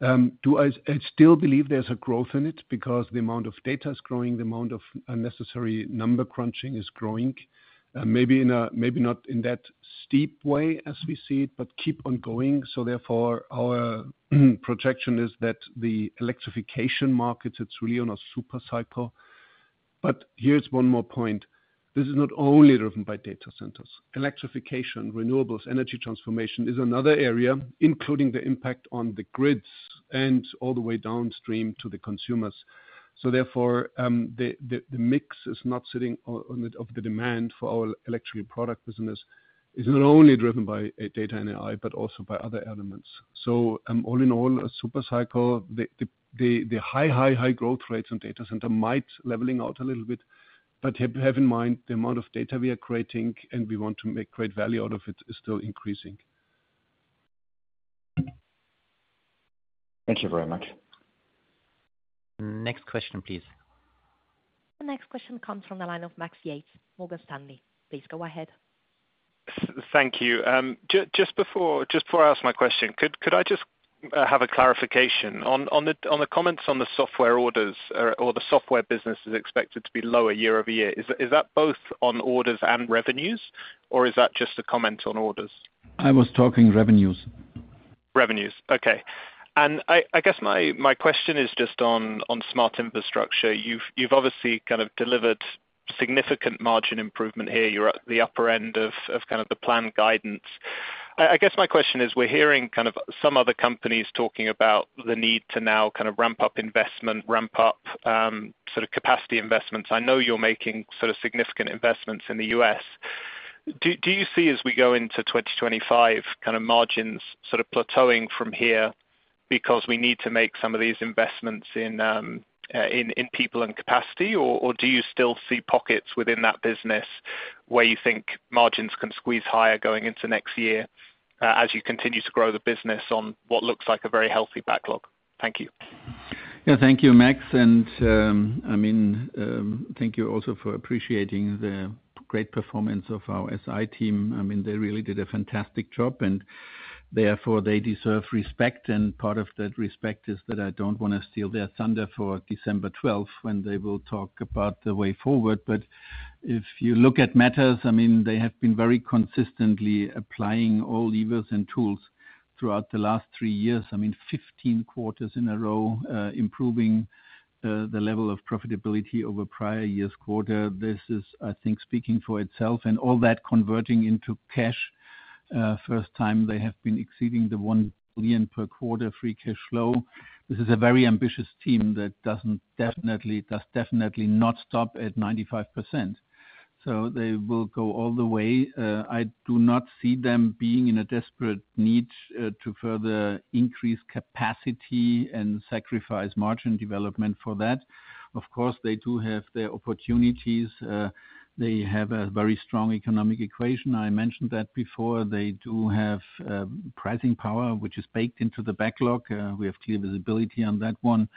Do I—I still believe there's a growth in it? Because the amount of data is growing, the amount of unnecessary number crunching is growing, maybe in a, maybe not in that steep way as we see it, but keep on going. So therefore, our projection is that the electrification markets, it's really on a super cycle. But here's one more point. This is not only driven by data centers. Electrification, renewables, energy transformation is another area, including the impact on the grids and all the way downstream to the consumers. So therefore, the mix of the demand for our Electrical Product business is not only driven by data and AI, but also by other elements. So, all in all, a super cycle, the high growth rates on data center might leveling out a little bit. But have in mind, the amount of data we are creating, and we want to make great value out of it, is still increasing. Thank you very much. Next question, please. The next question comes from the line of Max Yates, Morgan Stanley. Please go ahead. Thank you. Just before I ask my question, could I just have a clarification? On the comments on the Software orders or the Software business is expected to be lower year-over-year. Is that both on orders and revenues, or is that just a comment on orders? I was talking revenues. Revenues, okay. And I guess my question is just on Smart Infrastructure. You've obviously kind of delivered significant margin improvement here. You're at the upper end of kind of the planned guidance. I guess my question is: we're hearing kind of some other companies talking about the need to now kind of ramp up investment, ramp up sort of capacity investments. I know you're making sort of significant investments in the U.S. Do you see, as we go into 2025, kind of margins sort of plateauing from here because we need to make some of these investments in people and capacity? Or, or do you still see pockets within that business where you think margins can squeeze higher going into next year, as you continue to grow the business on what looks like a very healthy backlog? Thank you. Yeah. Thank you, Max. And, I mean, thank you also for appreciating the great performance of our SI team. I mean, they really did a fantastic job, and therefore they deserve respect, and part of that respect is that I don't wanna steal their thunder for December twelfth, when they will talk about the way forward. But if you look at matters, I mean, they have been very consistently applying all levers and tools throughout the last three years. I mean, 15 quarters in a row, improving, the level of profitability over prior year's quarter. This is, I think, speaking for itself and all that converting into cash, first time they have been exceeding the 1 billion per quarter free cash flow. This is a very ambitious team that doesn't definitely, does definitely not stop at 95%. So they will go all the way. I do not see them being in a desperate need to further increase capacity and sacrifice margin development for that. Of course, they do have their opportunities. They have a very strong economic equation. I mentioned that before. They do have pricing power, which is baked into the backlog. We have clear visibility on that one.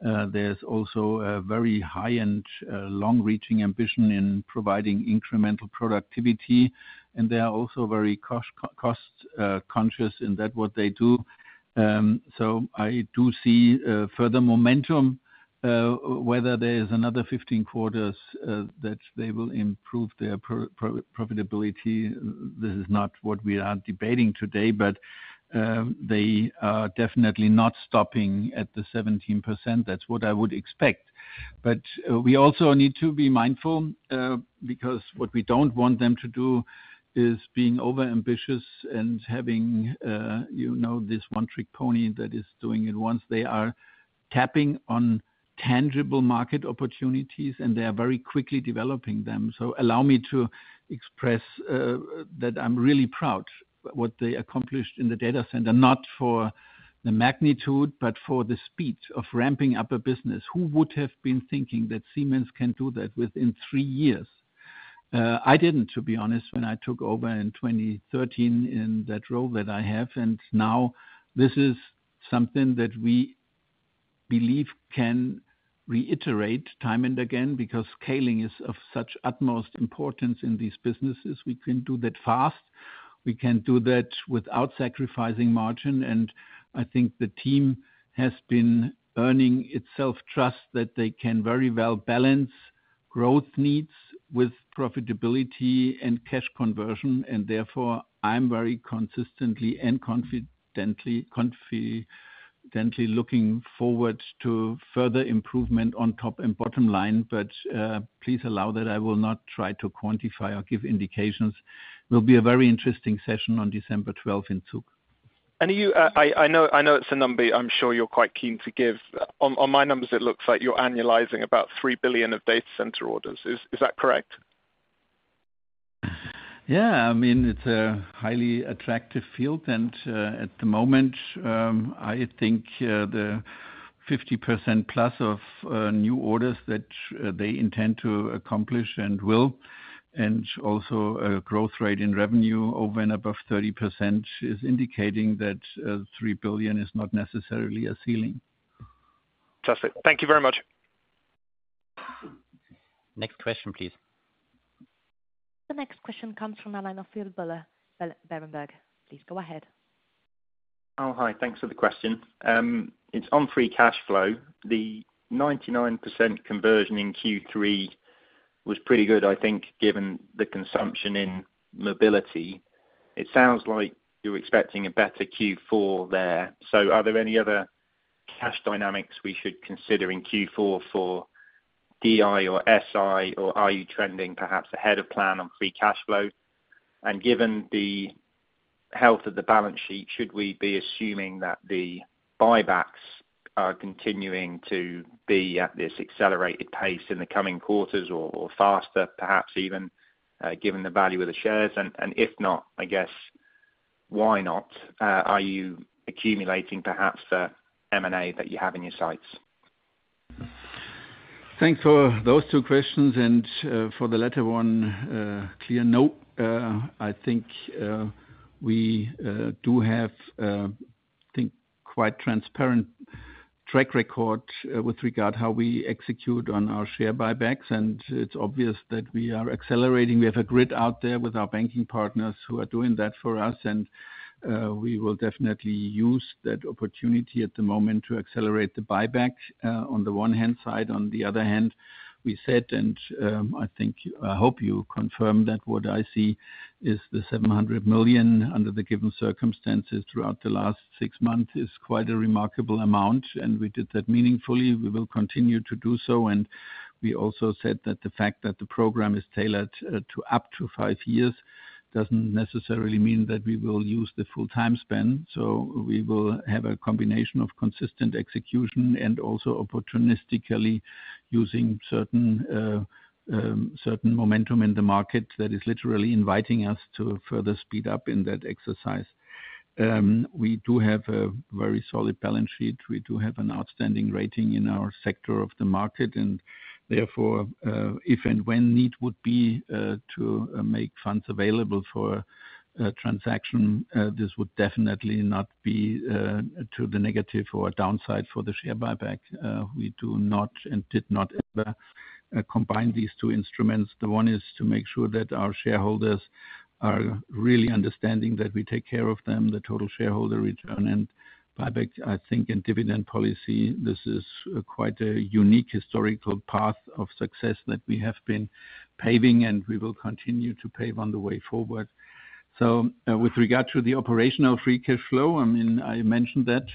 There's also a very high and long-reaching ambition in providing incremental productivity, and they are also very cost-conscious in what they do. So I do see further momentum, whether there is another 15 quarters that they will improve their profitability; this is not what we are debating today. But they are definitely not stopping at the 17%. That's what I would expect. But, we also need to be mindful, because what we don't want them to do is being overambitious and having, you know, this one-trick pony that is doing it. Once they are tapping on tangible market opportunities, and they are very quickly developing them. So allow me to express, that I'm really proud what they accomplished in the data center, not for the magnitude, but for the speed of ramping up a business. Who would have been thinking that Siemens can do that within three years? I didn't, to be honest, when I took over in 2013, in that role that I have, and now this is something that we believe can reiterate time and again, because scaling is of such utmost importance in these businesses. We can do that fast. We can do that without sacrificing margin, and I think the team has been earning itself trust that they can very well balance growth needs with profitability and cash conversion, and therefore I'm very consistently and confidently, confidently looking forward to further improvement on top and bottom line. But, please allow that I will not try to quantify or give indications. Will be a very interesting session on December twelfth in Zug. And are you? I know, I know it's a number I'm sure you're quite keen to give. On my numbers, it looks like you're annualizing about 3 billion of data center orders. Is that correct? Yeah, I mean, it's a highly attractive field, and at the moment, I think the 50%+ of new orders that they intend to accomplish and will, and also a growth rate in revenue over and above 30% is indicating that 3 billion is not necessarily a ceiling. Fantastic. Thank you very much. Next question, please. The next question comes from the line of Phil Buller, Berenberg. Please go ahead. Oh, hi. Thanks for the question. It's on free cash flow. The 99% conversion in Q3 was pretty good, I think, given the consumption in Mobility. It sounds like you're expecting a better Q4 there. So are there any other cash dynamics we should consider in Q4 for DI or SI? Or are you trending perhaps ahead of plan on free cash flow? And given the health of the balance sheet, should we be assuming that the buybacks are continuing to be at this accelerated pace in the coming quarters or, or faster, perhaps even, given the value of the shares? And, and if not, I guess, why not? Are you accumulating perhaps the M&A that you have in your sights? Thanks for those two questions, and, for the latter one, clear, nope. I think, we do have, I think, quite transparent track record, with regard how we execute on our share buybacks, and it's obvious that we are accelerating. We have a grid out there with our banking partners who are doing that for us, and, we will definitely use that opportunity at the moment to accelerate the buyback, on the one hand side. On the other hand, we said, and, I think, I hope you confirm that what I see is the 700 million under the given circumstances throughout the last six months is quite a remarkable amount, and we did that meaningfully. We will continue to do so. And we also said that the fact that the program is tailored to up to five years doesn't necessarily mean that we will use the full time span. So we will have a combination of consistent execution and also opportunistically using certain momentum in the market that is literally inviting us to further speed up in that exercise. We do have a very solid balance sheet. We do have an outstanding rating in our sector of the market, and therefore, if and when need would be to make funds available for a transaction, this would definitely not be to the negative or a downside for the share buyback. We do not and did not ever combine these two instruments. The one is to make sure that our shareholders are really understanding that we take care of them, the total shareholder return and buyback. I think in dividend policy, this is quite a unique historical path of success that we have been paving, and we will continue to pave on the way forward. With regard to the operational free cash flow, I mean, I mentioned that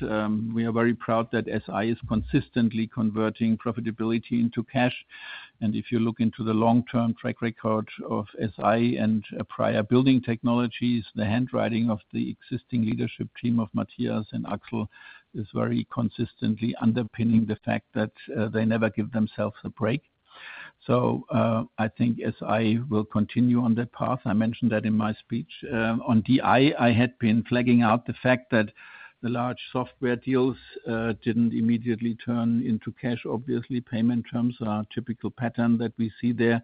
we are very proud that SI is consistently converting profitability into cash. And if you look into the long-term track record of SI and prior Building Technologies, the handwriting of the existing leadership team of Matthias and Axel is very consistently underpinning the fact that they never give themselves a break. I think SI will continue on that path. I mentioned that in my speech. On DI, I had been flagging out the fact that the large Software deals didn't immediately turn into cash. Obviously, payment terms are a typical pattern that we see there.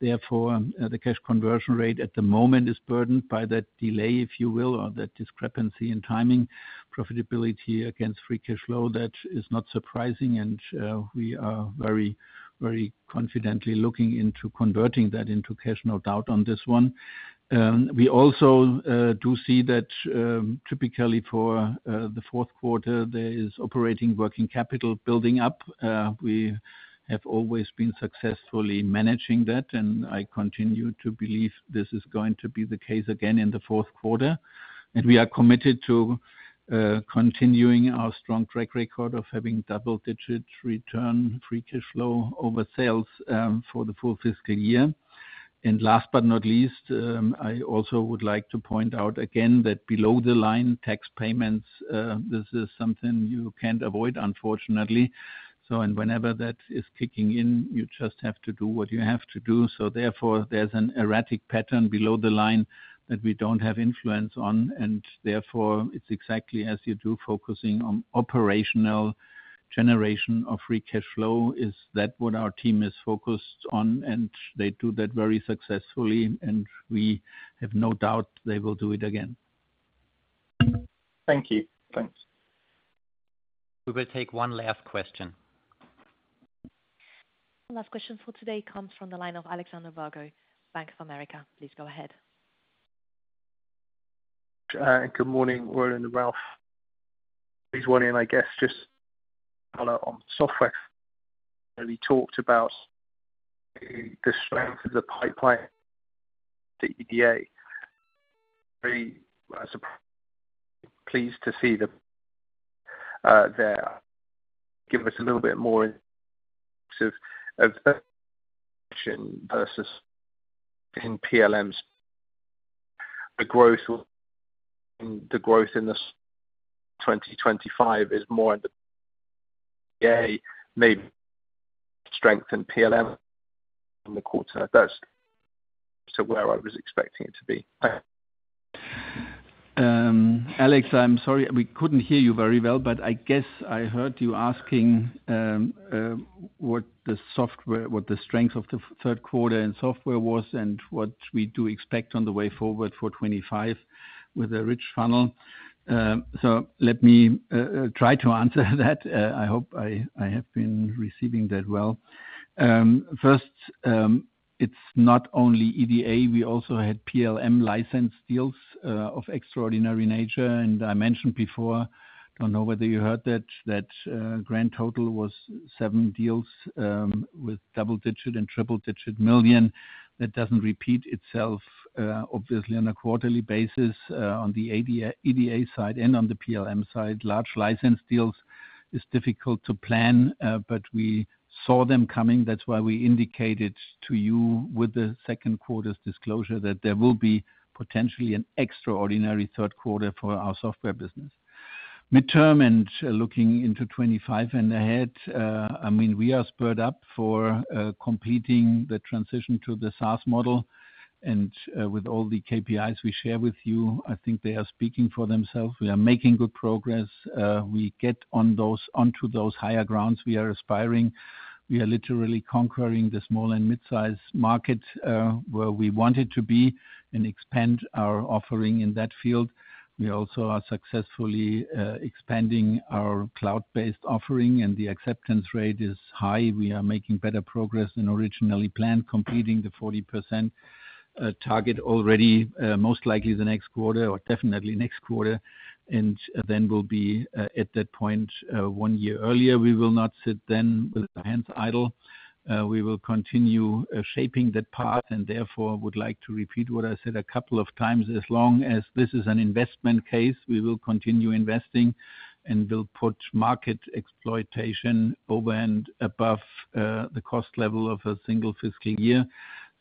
Therefore, the cash conversion rate at the moment is burdened by that delay, if you will, or that discrepancy in timing, profitability against free cash flow. That is not surprising, and we are very, very confidently looking into converting that into cash, no doubt on this one. We also do see that, typically for the fourth quarter, there is operating working capital building up. We have always been successfully managing that, and I continue to believe this is going to be the case again in the fourth quarter. We are committed to continuing our strong track record of having double-digit return free cash flow over sales for the full fiscal year. And last but not least, I also would like to point out again that below-the-line tax payments, this is something you can't avoid, unfortunately. So and whenever that is kicking in, you just have to do what you have to do. So therefore, there's an erratic pattern below the line that we don't have influence on, and therefore, it's exactly as you do, focusing on operational generation of free cash flow. Is that what our team is focused on, and they do that very successfully, and we have no doubt they will do it again. Thank you. Thanks. We will take one last question. Last question for today comes from the line of Alexander Virgo, Bank of America. Please go ahead. ... And good morning, Roland and Ralf. Just wondering, I guess, just follow on Software, and we talked about the, the strength of the pipeline, the EDA. Very surprised, pleased to see the there. Give us a little bit more of, of versus in PLM. The growth, the growth in this 2025 is more in the EDA, maybe strength in PLM in the quarter. That's to where I was expecting it to be. Alex, I'm sorry, we couldn't hear you very well, but I guess I heard you asking what the strength of the third quarter in Software was, and what we do expect on the way forward for 2025 with a rich funnel. So let me try to answer that. I hope I have been receiving that well. First, it's not only EDA, we also had PLM license deals of extraordinary nature. And I mentioned before, don't know whether you heard that, that grand total was seven deals with double-digit and triple-digit million EUR. That doesn't repeat itself, obviously, on a quarterly basis, on the EDA side and on the PLM side. Large license deals is difficult to plan, but we saw them coming. That's why we indicated to you with the second quarter's disclosure, that there will be potentially an extraordinary third quarter for our Software business. Midterm and looking into 2025 and ahead, I mean, we are spurred up for completing the transition to the SaaS model, and with all the KPIs we share with you, I think they are speaking for themselves. We are making good progress. We get onto those higher grounds we are aspiring. We are literally conquering the small and midsize market, where we wanted to be and expand our offering in that field. We also are successfully expanding our cloud-based offering, and the acceptance rate is high. We are making better progress than originally planned, completing the 40% target already, most likely the next quarter or definitely next quarter, and then we'll be, at that point, one year earlier. We will not sit then with our hands idle. We will continue shaping that path, and therefore, would like to repeat what I said a couple of times: As long as this is an investment case, we will continue investing, and we'll put market exploitation over and above, the cost level of a single fiscal year.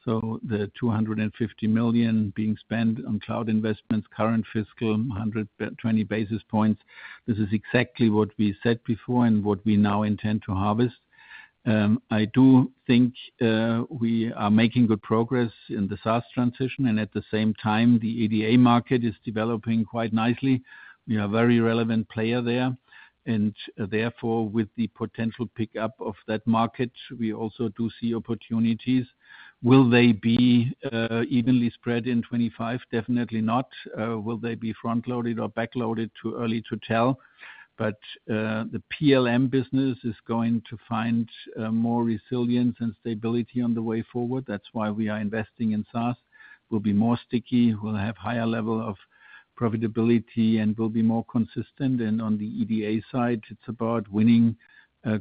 So the 250 million being spent on cloud investments, current fiscal, 120 basis points, this is exactly what we said before and what we now intend to harvest. I do think we are making good progress in the SaaS transition, and at the same time, the EDA market is developing quite nicely. We are a very relevant player there, and therefore, with the potential pickup of that market, we also do see opportunities. Will they be evenly spread in 2025? Definitely not. Will they be front-loaded or back-loaded? Too early to tell. But the PLM business is going to find more resilience and stability on the way forward. That's why we are investing in SaaS. We'll be more sticky, we'll have higher level of profitability, and we'll be more consistent. And on the EDA side, it's about winning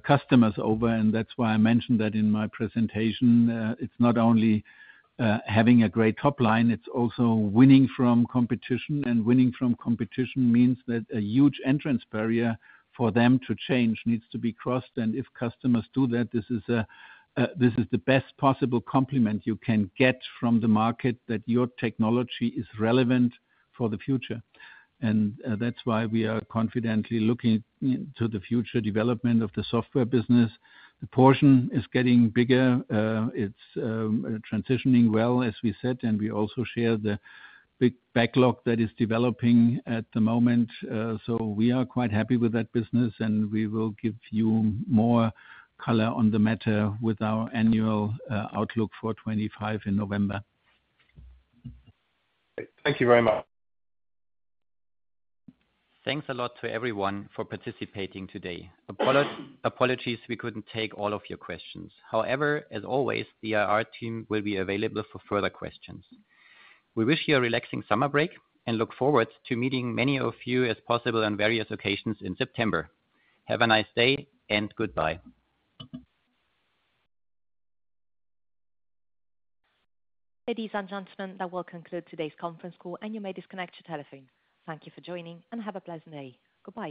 customers over, and that's why I mentioned that in my presentation. It's not only having a great top line, it's also winning from competition, and winning from competition means that a huge entry barrier for them to change needs to be crossed. If customers do that, this is the best possible compliment you can get from the market, that your technology is relevant for the future. That's why we are confidently looking to the future development of the Software business. The portion is getting bigger. It's transitioning well, as we said, and we also share the big backlog that is developing at the moment. So we are quite happy with that business, and we will give you more color on the matter with our annual outlook for 2025 in November. Thank you very much. Thanks a lot to everyone for participating today. Apologies, we couldn't take all of your questions. However, as always, the IR team will be available for further questions. We wish you a relaxing summer break and look forward to meeting many of you as possible on various occasions in September. Have a nice day and goodbye. Ladies and gentlemen, that will conclude today's conference call, and you may disconnect your telephone. Thank you for joining, and have a pleasant day. Goodbye.